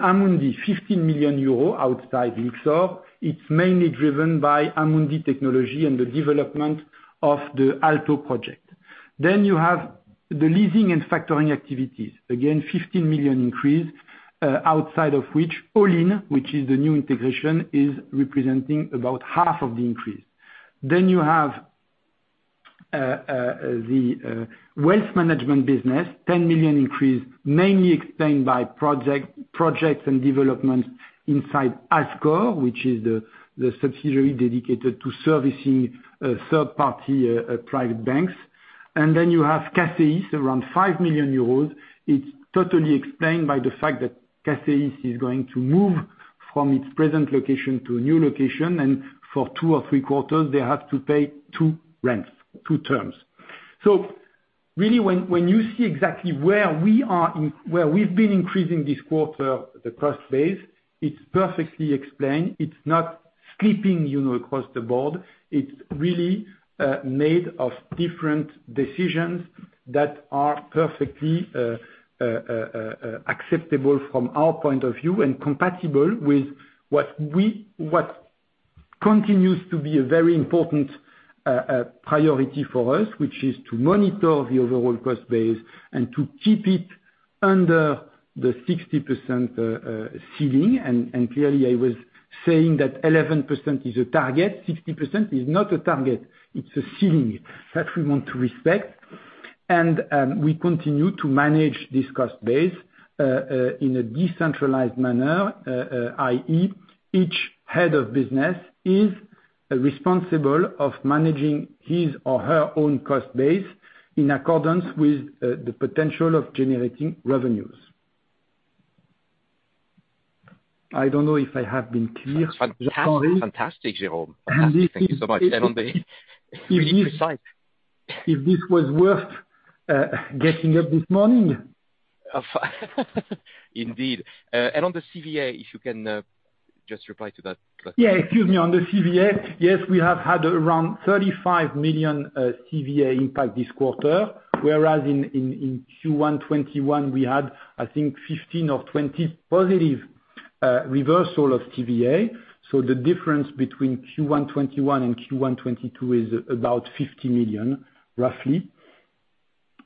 [SPEAKER 2] Amundi, 15 million euros outside Lyxor. It's mainly driven by Amundi Technology and the development of the ALTO project. You have the leasing and factoring activities. Again, 15 million increase, outside of which Olinn, which is the new integration, is representing about half of the increase. You have the wealth management business, 10 million increase, mainly explained by projects and developments inside Azqore, which is the subsidiary dedicated to servicing third party private banks. You have CACEIS, around 5 million euros. It's totally explained by the fact that CACEIS is going to move from its present location to a new location, and for two or three quarters they have to pay two rents, two terms. Really when you see exactly where we've been increasing this quarter, the cost base, it's perfectly explained. It's not spiking, you know, across the board. It's really made of different decisions that are perfectly acceptable from our point of view and compatible with what continues to be a very important priority for us, which is to monitor the overall cost base and to keep it under the 60% ceiling. Clearly, I was saying that 11% is a target. 60% is not a target, it's a ceiling that we want to respect. We continue to manage this cost base in a decentralized manner, i.e., each head of business is responsible for managing his or her own cost base in accordance with the potential of generating revenues. I don't know if I have been clear.
[SPEAKER 6] Fantastic, Jérôme. Thank you so much.
[SPEAKER 2] If this was worth getting up this morning.
[SPEAKER 6] Indeed. On the CVA, if you can, just reply to that question.
[SPEAKER 2] Yeah, excuse me. On the CVA, yes, we have had around 35 million CVA impact this quarter, whereas in Q1 2021 we had, I think, 15 or 20 positive reversal of CVA. The difference between Q1 2021 and Q1 2022 is about 50 million, roughly.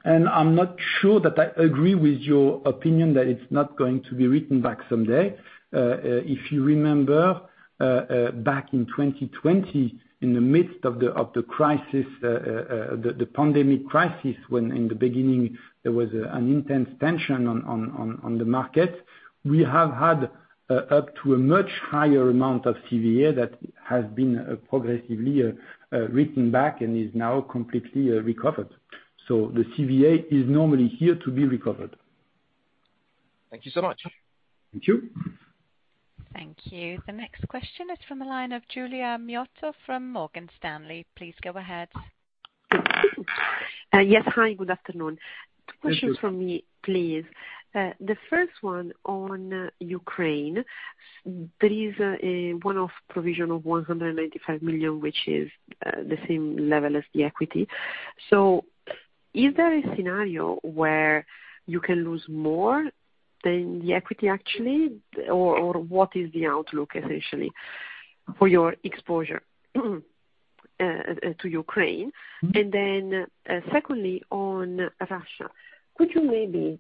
[SPEAKER 2] I'm not sure that I agree with your opinion that it's not going to be written back someday. If you remember, back in 2020, in the midst of the crisis, the pandemic crisis, when in the beginning there was an intense tension on the market, we have had up to a much higher amount of CVA that has been progressively written back and is now completely recovered. The CVA is normally here to be recovered.
[SPEAKER 6] Thank you so much.
[SPEAKER 2] Thank you.
[SPEAKER 1] Thank you. The next question is from the line of Giulia Miotto from Morgan Stanley. Please go ahead.
[SPEAKER 7] Yes, hi, good afternoon.
[SPEAKER 2] Thank you.
[SPEAKER 7] Two questions from me, please. The first one on Ukraine. There is a provision of 195 million, which is the same level as the equity. Is there a scenario where you can lose more than the equity, actually, or what is the outlook, essentially, for your exposure to Ukraine?
[SPEAKER 2] Mm-hmm.
[SPEAKER 7] Secondly, on Russia, could you maybe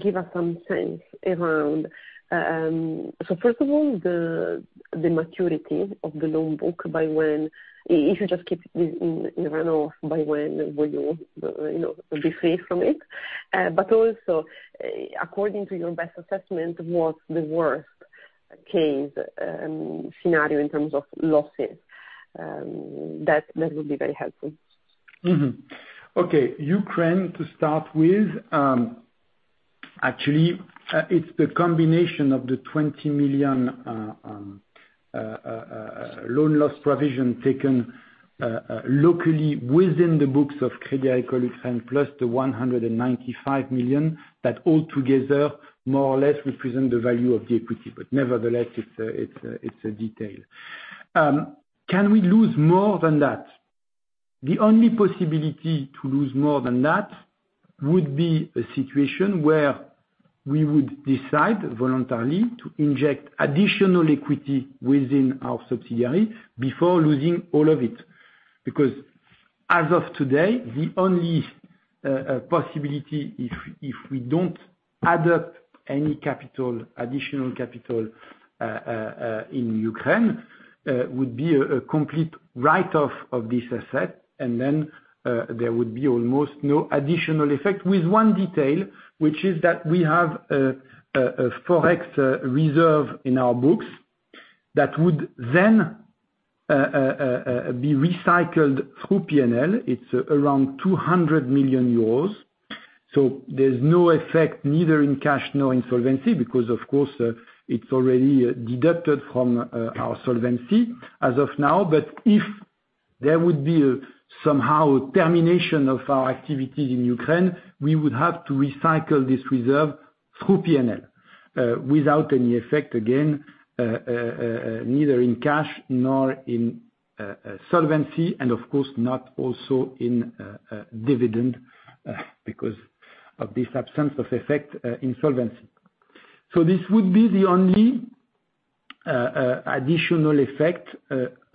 [SPEAKER 7] give us some sense around. So first of all, the maturity of the loan book by when, if you just keep it in run-off, by when will you know, be free from it? But also, according to your best assessment, what's the worst-case scenario in terms of losses? That would be very helpful.
[SPEAKER 2] Okay. Ukraine to start with, actually, it's the combination of the 20 million loan loss provision taken locally within the books of Crédit Agricole and plus the 195 million that all together more or less represent the value of the equity, but nevertheless, it's a detail. Can we lose more than that? The only possibility to lose more than that would be a situation where we would decide voluntarily to inject additional equity within our subsidiary before losing all of it. Because as of today, the only possibility if we don't add up any capital, additional capital, in Ukraine, would be a complete write-off of this asset, and then, there would be almost no additional effect. With one detail, which is that we have a Forex reserve in our books that would then be recycled through P&L. It's around 200 million euros, so there's no effect neither in cash nor in solvency, because of course it's already deducted from our solvency as of now. If there would be somehow a termination of our activities in Ukraine, we would have to recycle this reserve through P&L without any effect, again neither in cash nor in solvency and of course not also in dividend because of this absence of effect in solvency. This would be the only additional effect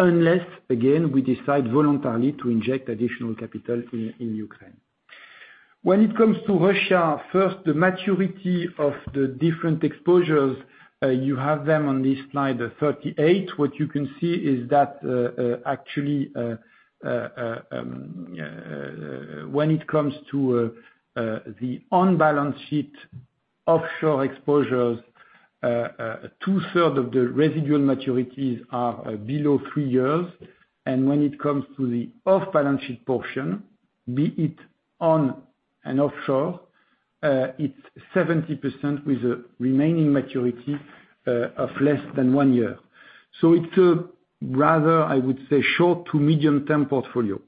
[SPEAKER 2] unless, again, we decide voluntarily to inject additional capital in Ukraine. When it comes to Russia, first the maturity of the different exposures, you have them on this slide 38. What you can see is that, actually, when it comes to the on-balance sheet offshore exposures, two-thirds of the residual maturities are below three years. When it comes to the off-balance sheet portion, be it on and offshore, it's 70% with a remaining maturity of less than 1 year. It's a rather, I would say, short to medium term portfolio.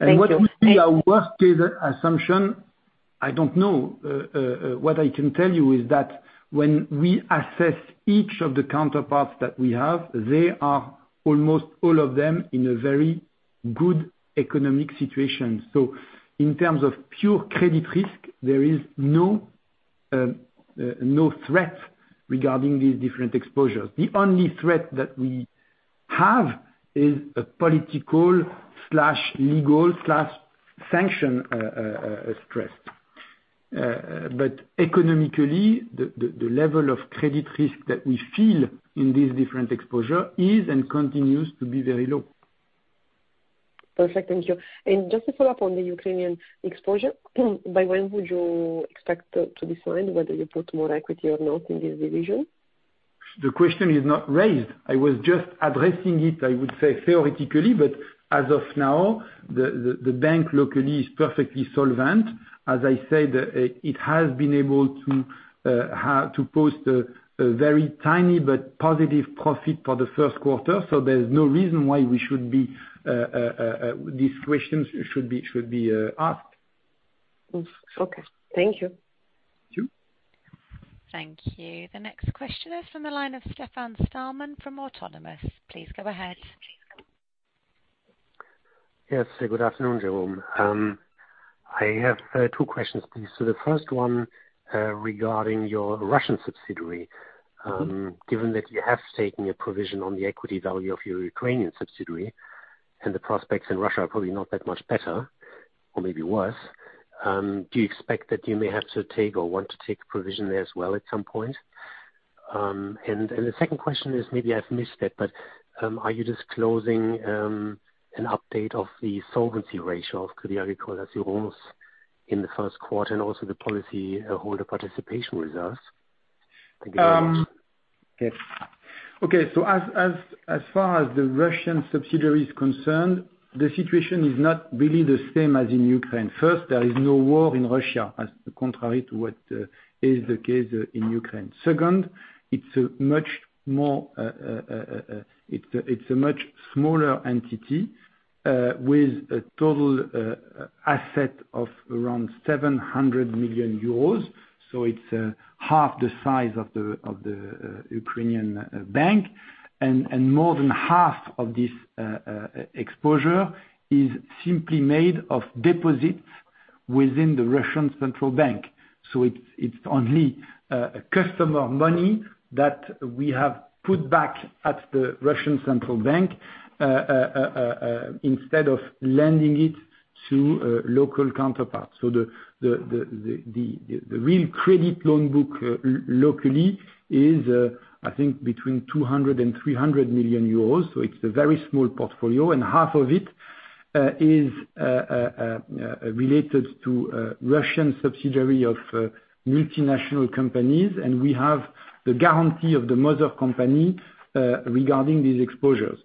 [SPEAKER 7] Thank you.
[SPEAKER 2] What we see our worst-case assumption, I don't know. What I can tell you is that when we assess each of the counterparties that we have, they are almost all of them in a very good economic situation. In terms of pure credit risk, there is no threat regarding these different exposures. The only threat that we have is a political slash legal slash sanction stress. But economically, the level of credit risk that we feel in these different exposures is and continues to be very low.
[SPEAKER 7] Perfect. Thank you. Just to follow up on the Ukrainian exposure, by when would you expect to decide whether you put more equity or not in this division?
[SPEAKER 2] The question is not raised. I was just addressing it, I would say, theoretically, but as of now, the bank locally is perfectly solvent. As I said, it has been able to post a very tiny but positive profit for the first quarter. So there's no reason why we should be these questions should be asked.
[SPEAKER 7] Okay, thank you.
[SPEAKER 2] Thank you.
[SPEAKER 1] Thank you. The next question is from the line of Stefan Stalmann from Autonomous Research. Please go ahead.
[SPEAKER 8] Yes. Good afternoon, Jérôme. I have two questions, please. The first one regarding your Russian subsidiary. Given that you have taken a provision on the equity value of your Ukrainian subsidiary, and the prospects in Russia are probably not that much better or maybe worse, do you expect that you may have to take or want to take provision there as well at some point? The second question is, maybe I've missed it, but are you disclosing an update of the solvency ratio of Crédit Agricole in the first quarter and also the policyholder participation reserves? Thank you very much.
[SPEAKER 2] Yes. As far as the Russian subsidiary is concerned, the situation is not really the same as in Ukraine. First, there is no war in Russia, as contrary to what is the case in Ukraine. Second, it's a much smaller entity with a total asset of around 700 million euros. So it's half the size of the Ukrainian bank. More than half of this exposure is simply made of deposits within the Russian Central Bank. So it's only customer money that we have put back at the Russian Central Bank instead of lending it to local counterparts. The real credit loan book locally is, I think, between 200 million euros and 300 million euros. It's a very small portfolio, and half of it is related to Russian subsidiary of multinational companies. We have the guarantee of the mother company regarding these exposures.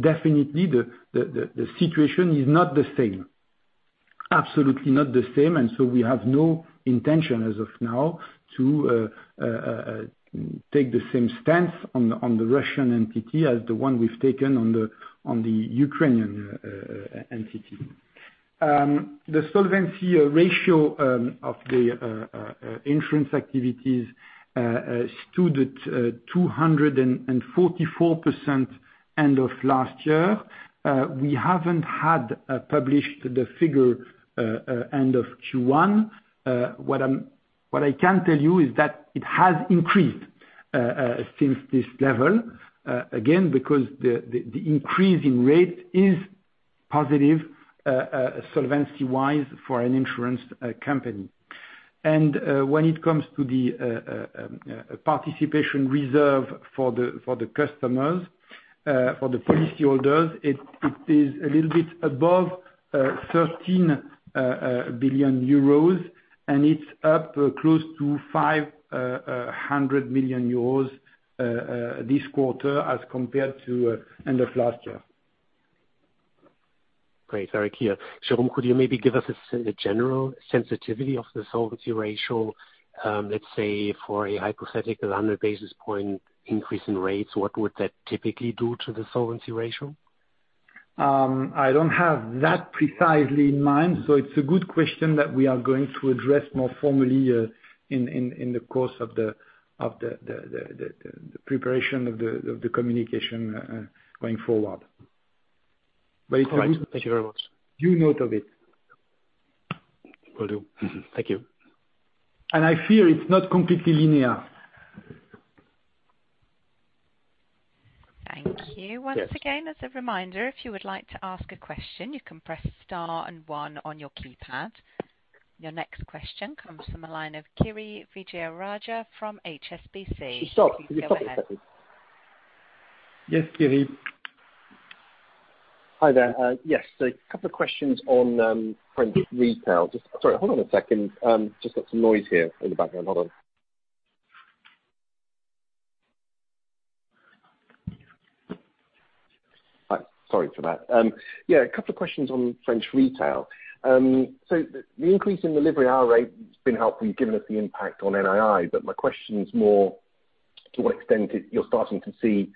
[SPEAKER 2] Definitely the situation is not the same. Absolutely not the same, we have no intention as of now to take the same stance on the Russian entity as the one we've taken on the Ukrainian entity. The solvency ratio of the insurance activities stood at 244% end of last year. We haven't published the figure end of Q1. What I can tell you is that it has increased since this level again because the increasing rate is positive solvency-wise for an insurance company. When it comes to the participation reserve for the customers for the policyholders, it is a little bit above 13 billion euros, and it's up close to 500 million euros this quarter as compared to end of last year.
[SPEAKER 8] Great. Very clear. Jérôme, could you maybe give us a general sensitivity of the solvency ratio, let's say for a hypothetical 100 basis point increase in rates, what would that typically do to the solvency ratio?
[SPEAKER 2] I don't have that precisely in mind, so it's a good question that we are going to address more formally in the course of the preparation of the communication going forward.
[SPEAKER 8] All right. Thank you very much.
[SPEAKER 2] You noted it.
[SPEAKER 8] Will do. Thank you.
[SPEAKER 2] I fear it's not completely linear.
[SPEAKER 1] Thank you.
[SPEAKER 2] Yes.
[SPEAKER 1] Once again, as a reminder, if you would like to ask a question, you can press star and one on your keypad. Your next question comes from a line of Kiri Vijayarajah from HSBC. Please go ahead.
[SPEAKER 2] Yes, Kiri.
[SPEAKER 9] Hi there. Yes, a couple of questions on French retail. The increase in Livret A rate has been helpful. You've given us the impact on NII, but my question is more to what extent you're starting to see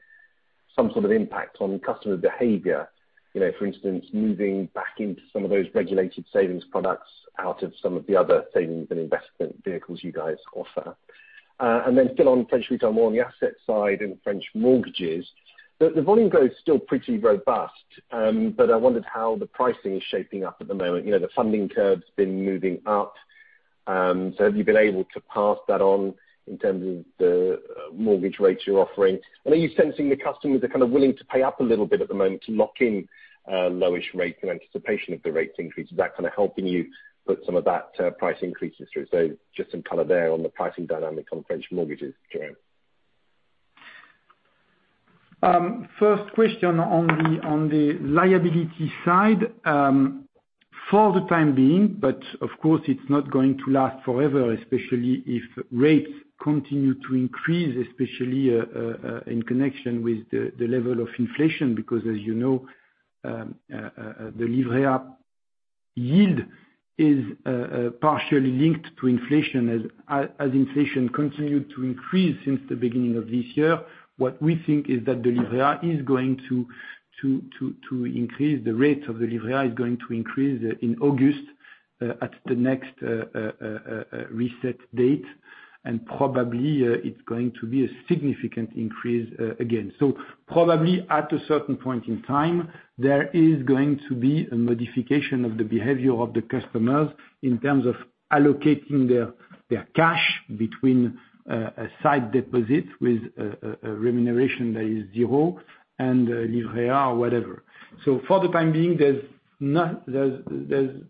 [SPEAKER 9] some sort of impact on customer behavior, you know, for instance, moving back into some of those regulated savings products out of some of the other savings and investment vehicles you guys offer. Still on French retail, more on the asset side and French mortgages. The volume growth is still pretty robust, but I wondered how the pricing is shaping up at the moment. You know, the funding curve's been moving up. Have you been able to pass that on in terms of the mortgage rates you're offering? Are you sensing the customers are kind of willing to pay up a little bit at the moment to lock in low-ish rates in anticipation of the rates increase? Is that kind of helping you put some of that price increases through? Just some color there on the pricing dynamic on French mortgages, Jérôme.
[SPEAKER 2] First question on the liability side, for the time being, but of course it's not going to last forever, especially if rates continue to increase, especially in connection with the level of inflation, because as you know, the Livret A yield is partially linked to inflation. As inflation continued to increase since the beginning of this year, what we think is that the Livret A is going to increase. The rate of the Livret A is going to increase in August, at the next reset date, and probably it's going to be a significant increase again. Probably at a certain point in time, there is going to be a modification of the behavior of the customers in terms of allocating their cash between a side deposit with a remuneration that is zero and Livret A or whatever. For the time being, there's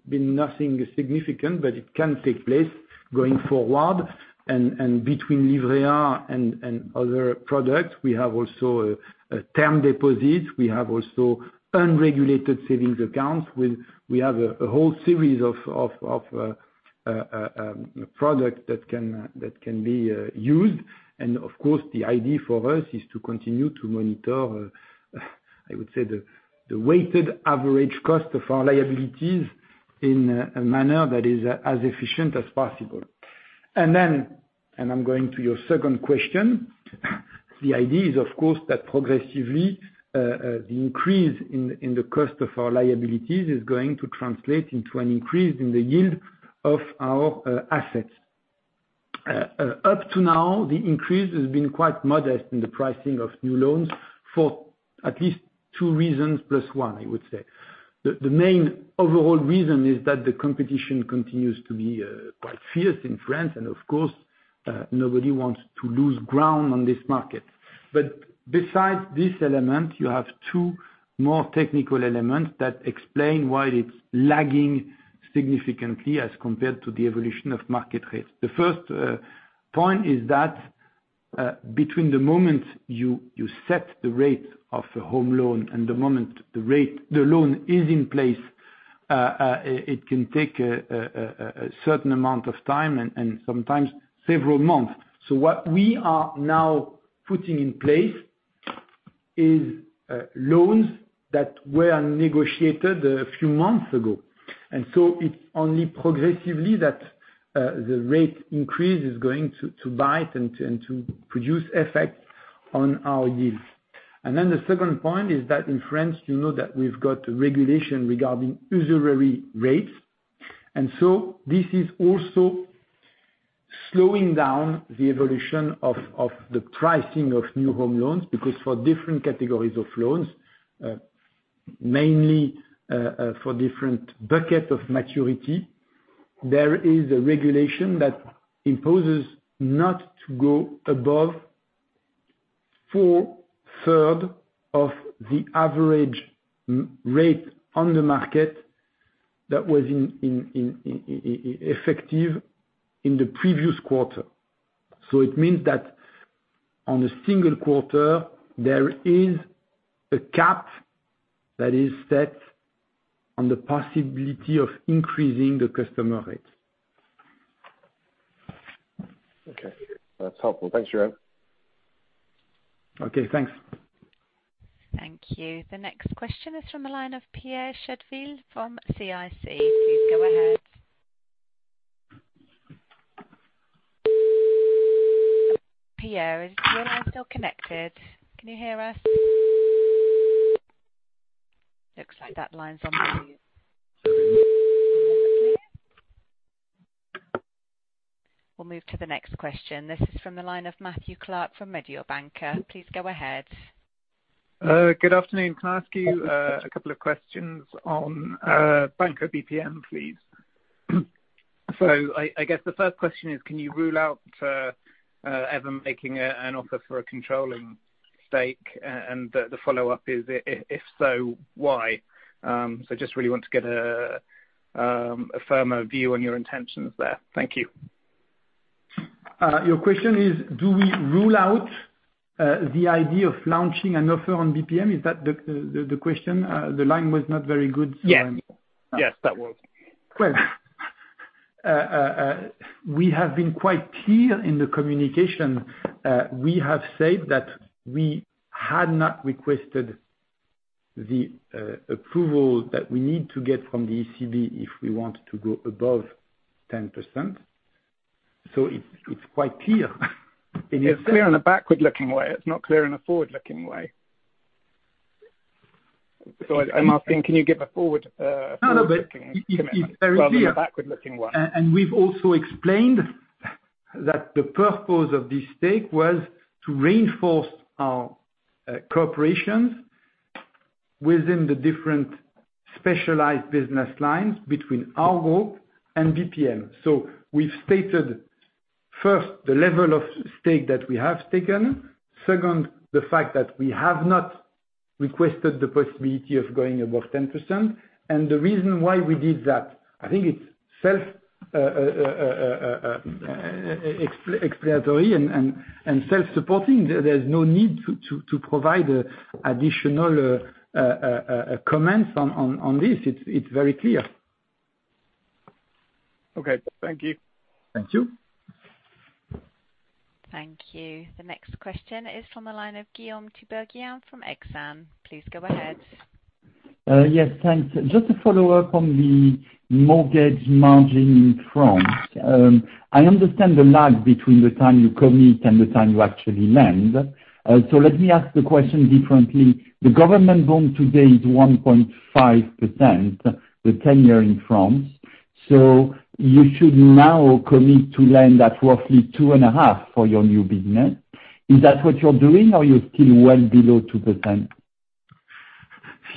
[SPEAKER 2] been nothing significant, but it can take place going forward. Between Livret A and other products, we have also a term deposit. We have also unregulated savings accounts. We have a whole series of product that can be used. Of course, the idea for us is to continue to monitor, I would say the weighted average cost of our liabilities in a manner that is as efficient as possible. I'm going to your second question, the idea is of course that progressively, the increase in the cost of our liabilities is going to translate into an increase in the yield of our assets. Up to now, the increase has been quite modest in the pricing of new loans for at least two reasons, plus one, I would say. The main overall reason is that the competition continues to be quite fierce in France, and of course, nobody wants to lose ground on this market. Besides this element, you have two more technical elements that explain why it's lagging significantly as compared to the evolution of market rates. The first point is that between the moment you set the rate of a home loan and the moment the rate the loan is in place it can take a certain amount of time and sometimes several months. What we are now putting in place is loans that were negotiated a few months ago. It's only progressively that the rate increase is going to bite and to produce effect on our yields. The second point is that in France, you know that we've got a regulation regarding taux d'usure. This is also slowing down the evolution of the pricing of new home loans, because for different categories of loans, mainly, for different bucket of maturity, there is a regulation that imposes not to go above four-thirds of the average market rate on the market that was in effect in the previous quarter. It means that on a single quarter, there is a cap that is set on the possibility of increasing the customer rate.
[SPEAKER 9] Okay. That's helpful. Thanks, Jérôme.
[SPEAKER 2] Okay, thanks.
[SPEAKER 1] Thank you. The next question is from the line of Pierre Chédeville from CIC. Please go ahead. Pierre, is your line still connected? Can you hear us? Looks like that line's on mute. We'll move to the next question. This is from the line of Matthew Clark from Mediobanca. Please go ahead.
[SPEAKER 10] Good afternoon. Can I ask you a couple of questions on Banco BPM, please? I guess the first question is, can you rule out ever making an offer for a controlling stake? The follow-up is if so, why? I just really want to get a firmer view on your intentions there. Thank you.
[SPEAKER 2] Your question is, do we rule out the idea of launching an offer on BPM? Is that the question? The line was not very good.
[SPEAKER 10] Yes. Yes, that was.
[SPEAKER 2] Well, we have been quite clear in the communication. We have said that we had not requested the approval that we need to get from the ECB if we want to go above 10%. It's quite clear.
[SPEAKER 10] It's clear in a backward-looking way. It's not clear in a forward-looking way. I'm asking, can you give a forward?
[SPEAKER 2] No,
[SPEAKER 10] forward-looking commitment rather than a backward-looking one.
[SPEAKER 2] We've also explained that the purpose of this stake was to reinforce our cooperation within the different specialized business lines between our group and BPM. We've stated, first, the level of stake that we have taken. Second, the fact that we have not requested the possibility of going above 10%. The reason why we did that, I think it's self-explanatory and self-supporting. There's no need to provide additional comments on this. It's very clear.
[SPEAKER 10] Okay, thank you.
[SPEAKER 2] Thank you.
[SPEAKER 1] Thank you. The next question is from the line of Guillaume Tiberghien from Exane. Please go ahead.
[SPEAKER 4] Yes, thanks. Just to follow up on the mortgage margin in France. I understand the lag between the time you commit and the time you actually lend. Let me ask the question differently. The government bond today is 1.5%, the ten-year in France. You should now commit to lend at roughly 2.5% for your new business. Is that what you're doing or are you still well below 2%?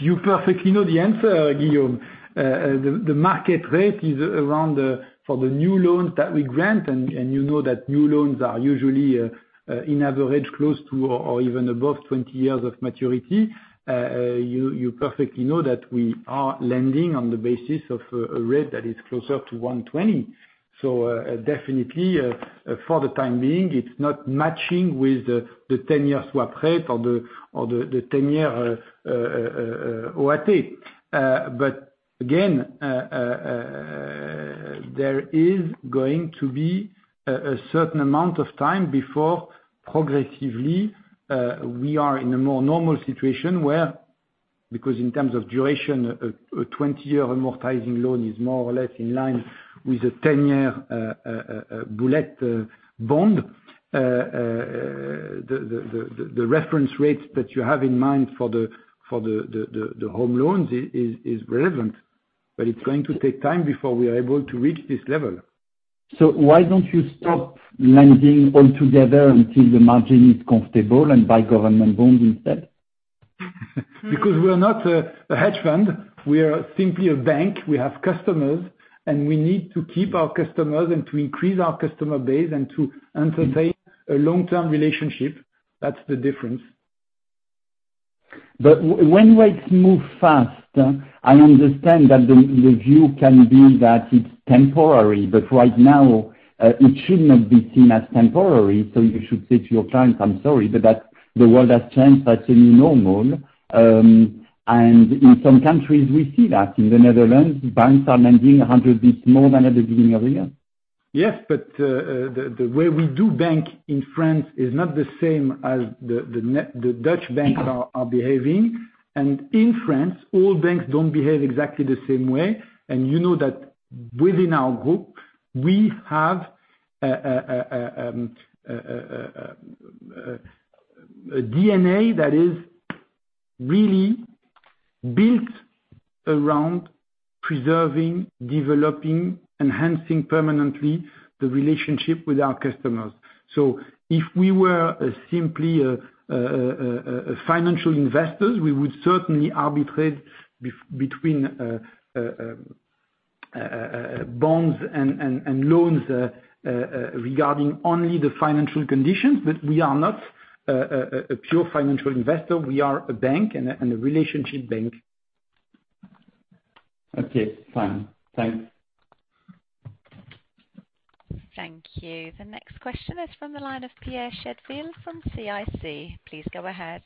[SPEAKER 2] You perfectly know the answer, Guillaume. The market rate is around the for the new loans that we grant, and you know that new loans are usually on average close to or even above 20 years of maturity. You perfectly know that we are lending on the basis of a rate that is closer to 1.20. Definitely, for the time being, it is not matching with the ten-year swap rate or the ten-year OAT. Again, there is going to be a certain amount of time before progressively we are in a more normal situation where because in terms of duration, a 20-year amortizing loan is more or less in line with a ten-year bullet bond. The reference rate that you have in mind for the home loans is relevant, but it's going to take time before we are able to reach this level.
[SPEAKER 4] Why don't you stop lending altogether until the margin is comfortable and buy government bonds instead?
[SPEAKER 2] Because we are not a hedge fund. We are simply a bank. We have customers, and we need to keep our customers and to increase our customer base and to entertain a long-term relationship. That's the difference.
[SPEAKER 4] When rates move fast, I understand that the view can be that it's temporary, but right now, it should not be seen as temporary. You should say to your clients, "I'm sorry, but that's the world has changed. That's a new normal." In some countries, we see that. In the Netherlands, banks are lending 100 basis points more than at the beginning of the year.
[SPEAKER 2] Yes, but the way we do banking in France is not the same as the Dutch banks are behaving. In France, all banks don't behave exactly the same way. You know that within our group, we have a DNA that is really built around preserving, developing, enhancing permanently the relationship with our customers. If we were simply a financial investor, we would certainly arbitrate between bonds and loans regarding only the financial conditions, but we are not a pure financial investor. We are a bank and a relationship bank.
[SPEAKER 4] Okay. Fine. Thanks.
[SPEAKER 1] Thank you. The next question is from the line of Pierre Chédeville from CIC. Please go ahead.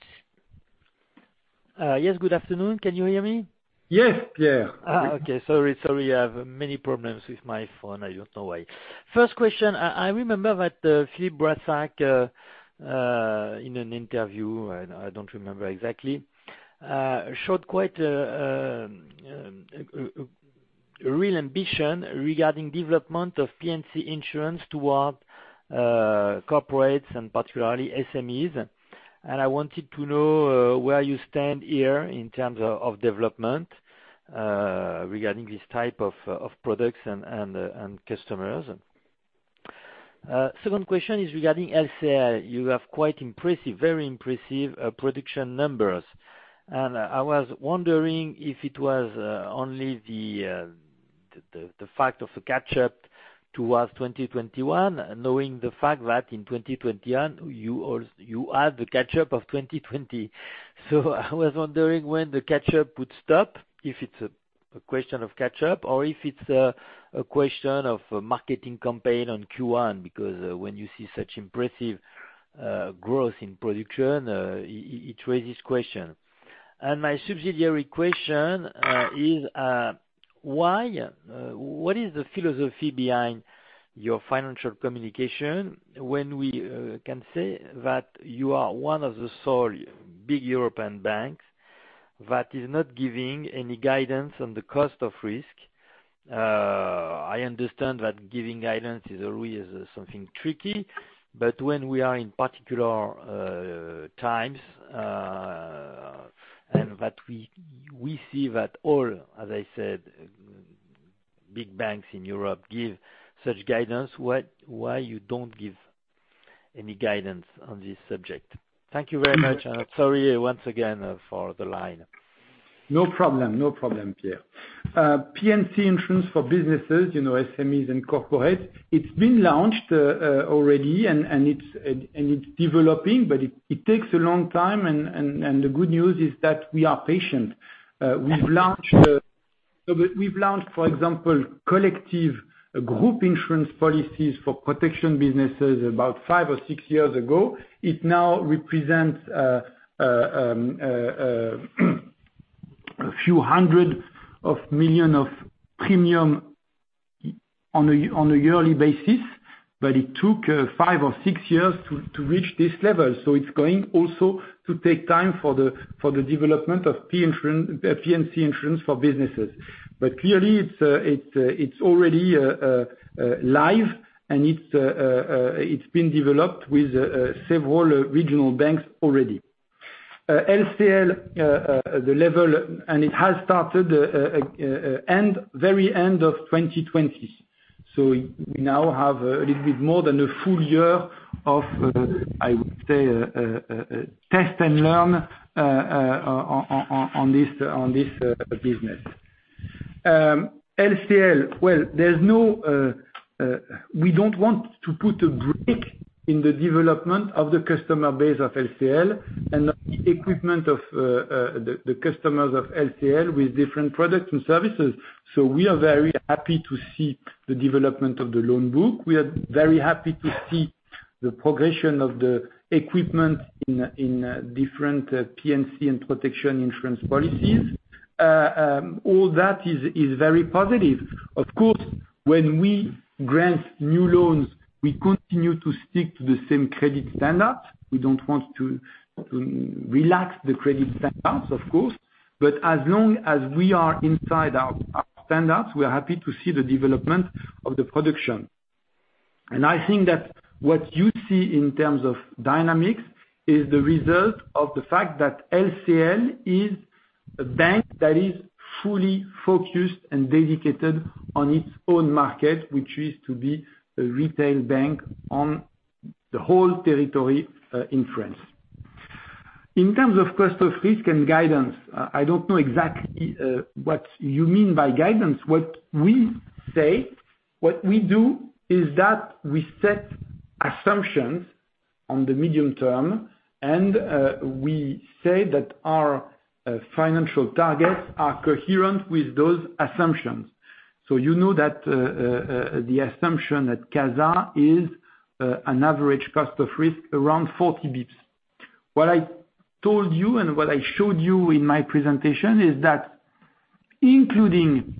[SPEAKER 11] Yes, good afternoon. Can you hear me?
[SPEAKER 2] Yes, Pierre.
[SPEAKER 11] Sorry I have many problems with my phone. I don't know why. First question. I remember that Philippe Brassac in an interview and I don't remember exactly showed quite a real ambition regarding development of P&C Insurance towards corporates and particularly SMEs. I wanted to know where you stand here in terms of development regarding this type of products and customers. Second question is regarding LCL. You have quite impressive, very impressive production numbers. I was wondering if it was only the fact of the catch-up towards 2021 knowing the fact that in 2021 you had the catch-up of 2020. I was wondering when the catch-up would stop, if it's a question of catch-up or if it's a question of a marketing campaign on Q1. Because when you see such impressive growth in production, it raises question. My subsidiary question is why what is the philosophy behind your financial communication when we can say that you are one of the sole big European banks that is not giving any guidance on the cost of risk? I understand that giving guidance is always something tricky, but when we are in particular times and that we see that all, as I said, big banks in Europe give such guidance, why you don't give any guidance on this subject? Thank you very much. Sorry once again for the line.
[SPEAKER 2] No problem, Pierre. P&C insurance for businesses, you know, SMEs and corporates, it's been launched already and it's developing, but it takes a long time and the good news is that we are patient. We've launched, for example, collective group insurance policies for protection businesses about five or six years ago. It now represents a few hundred million EUR in premiums on a yearly basis. But it took five or six years to reach this level. It's going also to take time for the development of P&C insurance for businesses. But clearly it's already live and it's been developed with several regional banks already. LCL, the level. It has started at the very end of 2020. We now have a little bit more than a full year of, I would say, test and learn on this business. LCL, well, we don't want to put a brake on the development of the customer base of LCL and the equipment of the customers of LCL with different products and services. We are very happy to see the development of the loan book. We are very happy to see the progression of the equipment in different P&C and protection insurance policies. All that is very positive. Of course, when we grant new loans, we continue to stick to the same credit standards. We don't want to relax the credit standards, of course. As long as we are inside our standards, we are happy to see the development of the production. I think that what you see in terms of dynamics is the result of the fact that LCL is a bank that is fully focused and dedicated on its own market, which is to be a retail bank on the whole territory in France. In terms of cost of risk and guidance, I don't know exactly what you mean by guidance. What we say, what we do is that we set assumptions on the medium term, and we say that our financial targets are coherent with those assumptions. You know that the assumption at CASA is an average cost of risk around 40 basis points. What I told you and what I showed you in my presentation is that including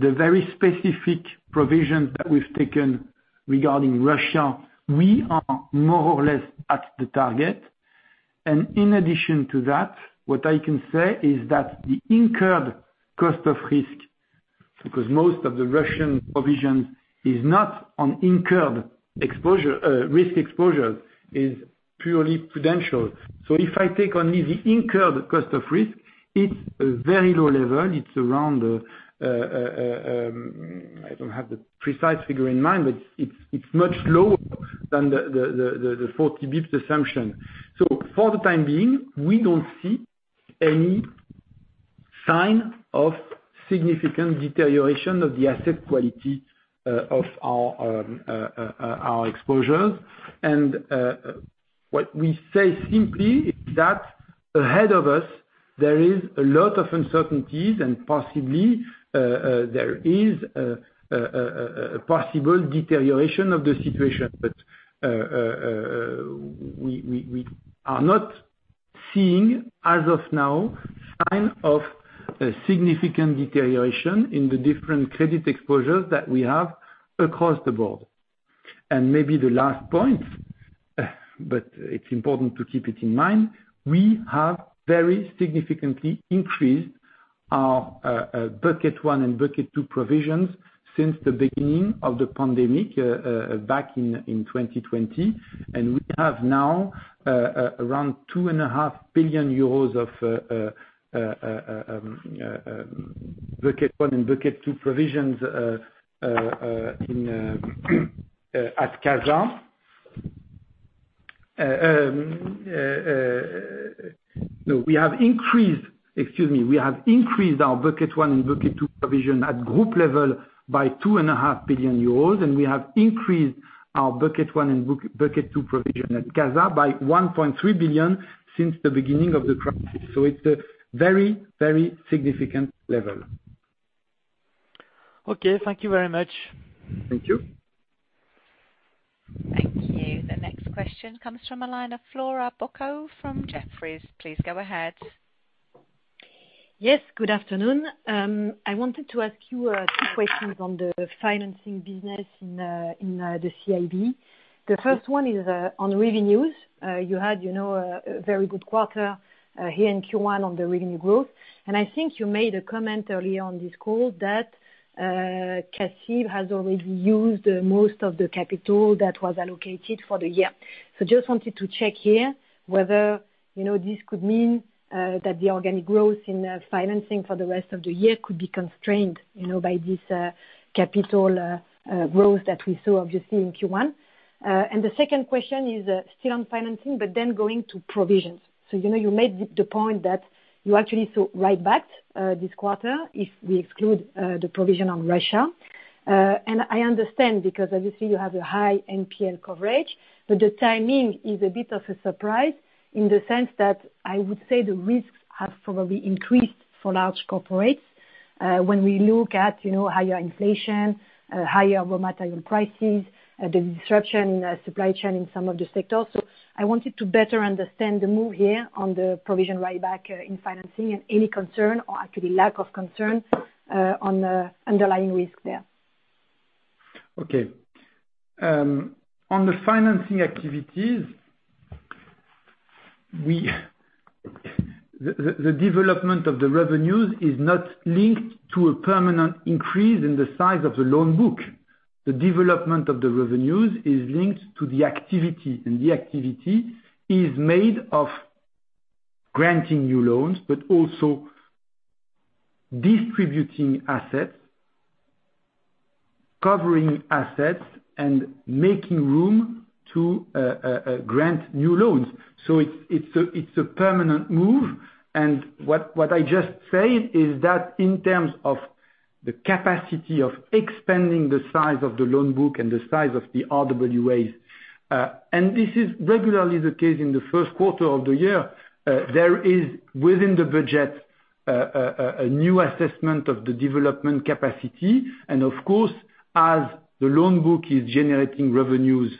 [SPEAKER 2] the very specific provisions that we've taken regarding Russia, we are more or less at the target. In addition to that, what I can say is that the incurred cost of risk, because most of the Russian provisions is not on incurred exposure, risk exposure, is purely prudential. If I take only the incurred cost of risk, it's a very low level. It's around, I don't have the precise figure in mind, but it's much lower than the 40 basis points assumption. For the time being, we don't see any sign of significant deterioration of the asset quality of our exposures. What we say simply is that ahead of us, there is a lot of uncertainties and possibly there is a possible deterioration of the situation. We are not seeing, as of now, sign of a significant deterioration in the different credit exposures that we have across the board. Maybe the last point, but it's important to keep it in mind, we have very significantly increased our Stage 1 and Stage 2 provisions since the beginning of the pandemic back in 2020. We have now around 2.5 billion euros of Stage 1 and Stage 2 provisions at CASA. No, we have increased our Stage 1 and Stage 2 provision at group level by 2.5 billion euros, and we have increased our Stage 1 and Stage 2 provision at CACF by 1.3 billion since the beginning of the crisis. It's a very, very significant level.
[SPEAKER 11] Okay. Thank you very much.
[SPEAKER 2] Thank you.
[SPEAKER 1] Thank you. The next question comes from a line of Flora Bocahut from Jefferies. Please go ahead.
[SPEAKER 12] Yes, good afternoon. I wanted to ask you two questions on the financing business in the CIB. The first one is on revenues. You had, you know, a very good quarter here in Q1 on the revenue growth. I think you made a comment earlier on this call that CA-CIB has already used most of the capital that was allocated for the year. Just wanted to check here whether, you know, this could mean that the organic growth in financing for the rest of the year could be constrained, you know, by this capital growth that we saw obviously in Q1. The second question is still on financing, but then going to provisions. You know, you made the point that you actually saw a write back this quarter if we exclude the provision on Russia. I understand, because obviously you have a high NPL coverage, but the timing is a bit of a surprise in the sense that I would say the risks have probably increased for large corporates when we look at you know, higher inflation, higher raw material prices, the disruption in the supply chain in some of the sectors. I wanted to better understand the move here on the provision write back in financing and any concern or actually lack of concern on the underlying risk there.
[SPEAKER 2] Okay. On the financing activities, the development of the revenues is not linked to a permanent increase in the size of the loan book. The development of the revenues is linked to the activity, and the activity is made of granting new loans but also distributing assets, covering assets, and making room to grant new loans. It's a permanent move. What I just said is that in terms of the capacity of expanding the size of the loan book and the size of the RWAs, and this is regularly the case in the first quarter of the year, there is within the budget a new assessment of the development capacity. Of course, as the loan book is generating revenues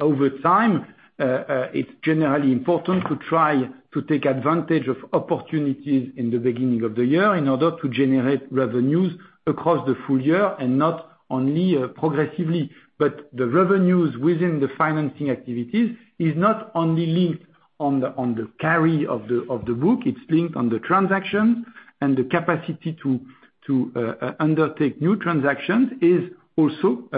[SPEAKER 2] over time, it's generally important to try to take advantage of opportunities in the beginning of the year in order to generate revenues across the full year and not only progressively. The revenues within the financing activities is not only linked on the carry of the book, it's linked on the transactions, and the capacity to undertake new transactions is also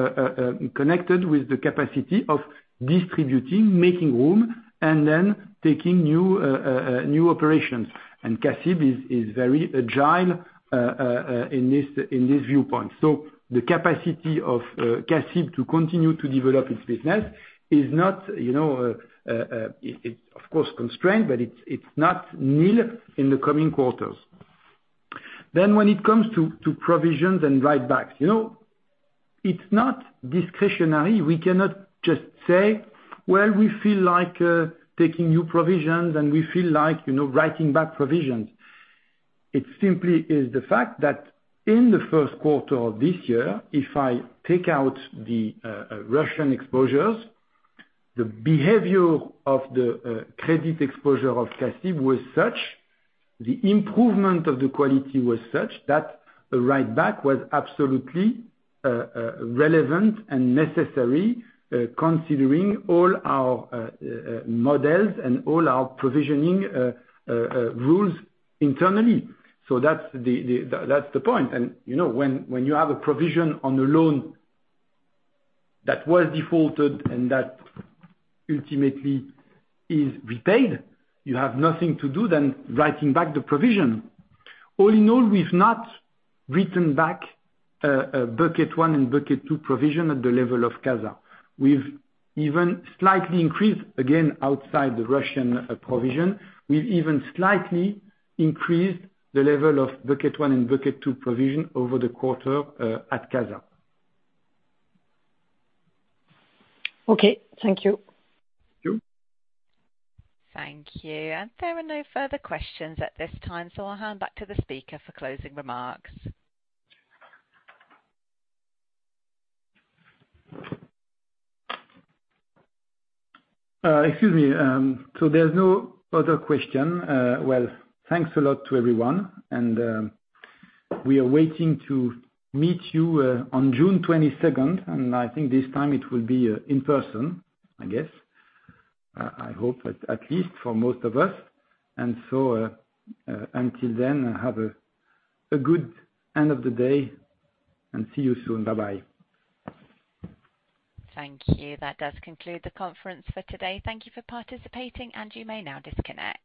[SPEAKER 2] connected with the capacity of distributing, making room, and then taking new operations. CA-CIB is very agile in this viewpoint. The capacity of CA-CIB to continue to develop its business is not, you know, it's of course constrained, but it's not nil in the coming quarters. When it comes to provisions and write backs, you know, it's not discretionary. We cannot just say, "Well, we feel like taking new provisions, and we feel like, you know, writing back provisions." It simply is the fact that in the first quarter of this year, if I take out the Russian exposures, the behavior of the credit exposure of CA-CIB was such, the improvement of the quality was such that a write back was absolutely relevant and necessary, considering all our models and all our provisioning rules internally. That's the point. You know, when you have a provision on a loan that was defaulted and that ultimately is repaid, you have nothing to do than writing back the provision. All in all, we've not written back Stage 1 and Stage 2 provision at the level of CASA. We've even slightly increased, again, outside the Russian provision, we've even slightly increased the level of Stage 1 and Stage 2 provision over the quarter, at CASA.
[SPEAKER 12] Okay. Thank you.
[SPEAKER 2] Thank you.
[SPEAKER 1] Thank you. There are no further questions at this time, so I'll hand back to the speaker for closing remarks.
[SPEAKER 2] Excuse me. There's no other question. Well, thanks a lot to everyone. We are waiting to meet you on June 22nd, 2022, and I think this time it will be in person, I guess. I hope at least for most of us. Until then, have a good end of the day, and see you soon. Bye-bye.
[SPEAKER 1] Thank you. That does conclude the conference for today. Thank you for participating, and you may now disconnect.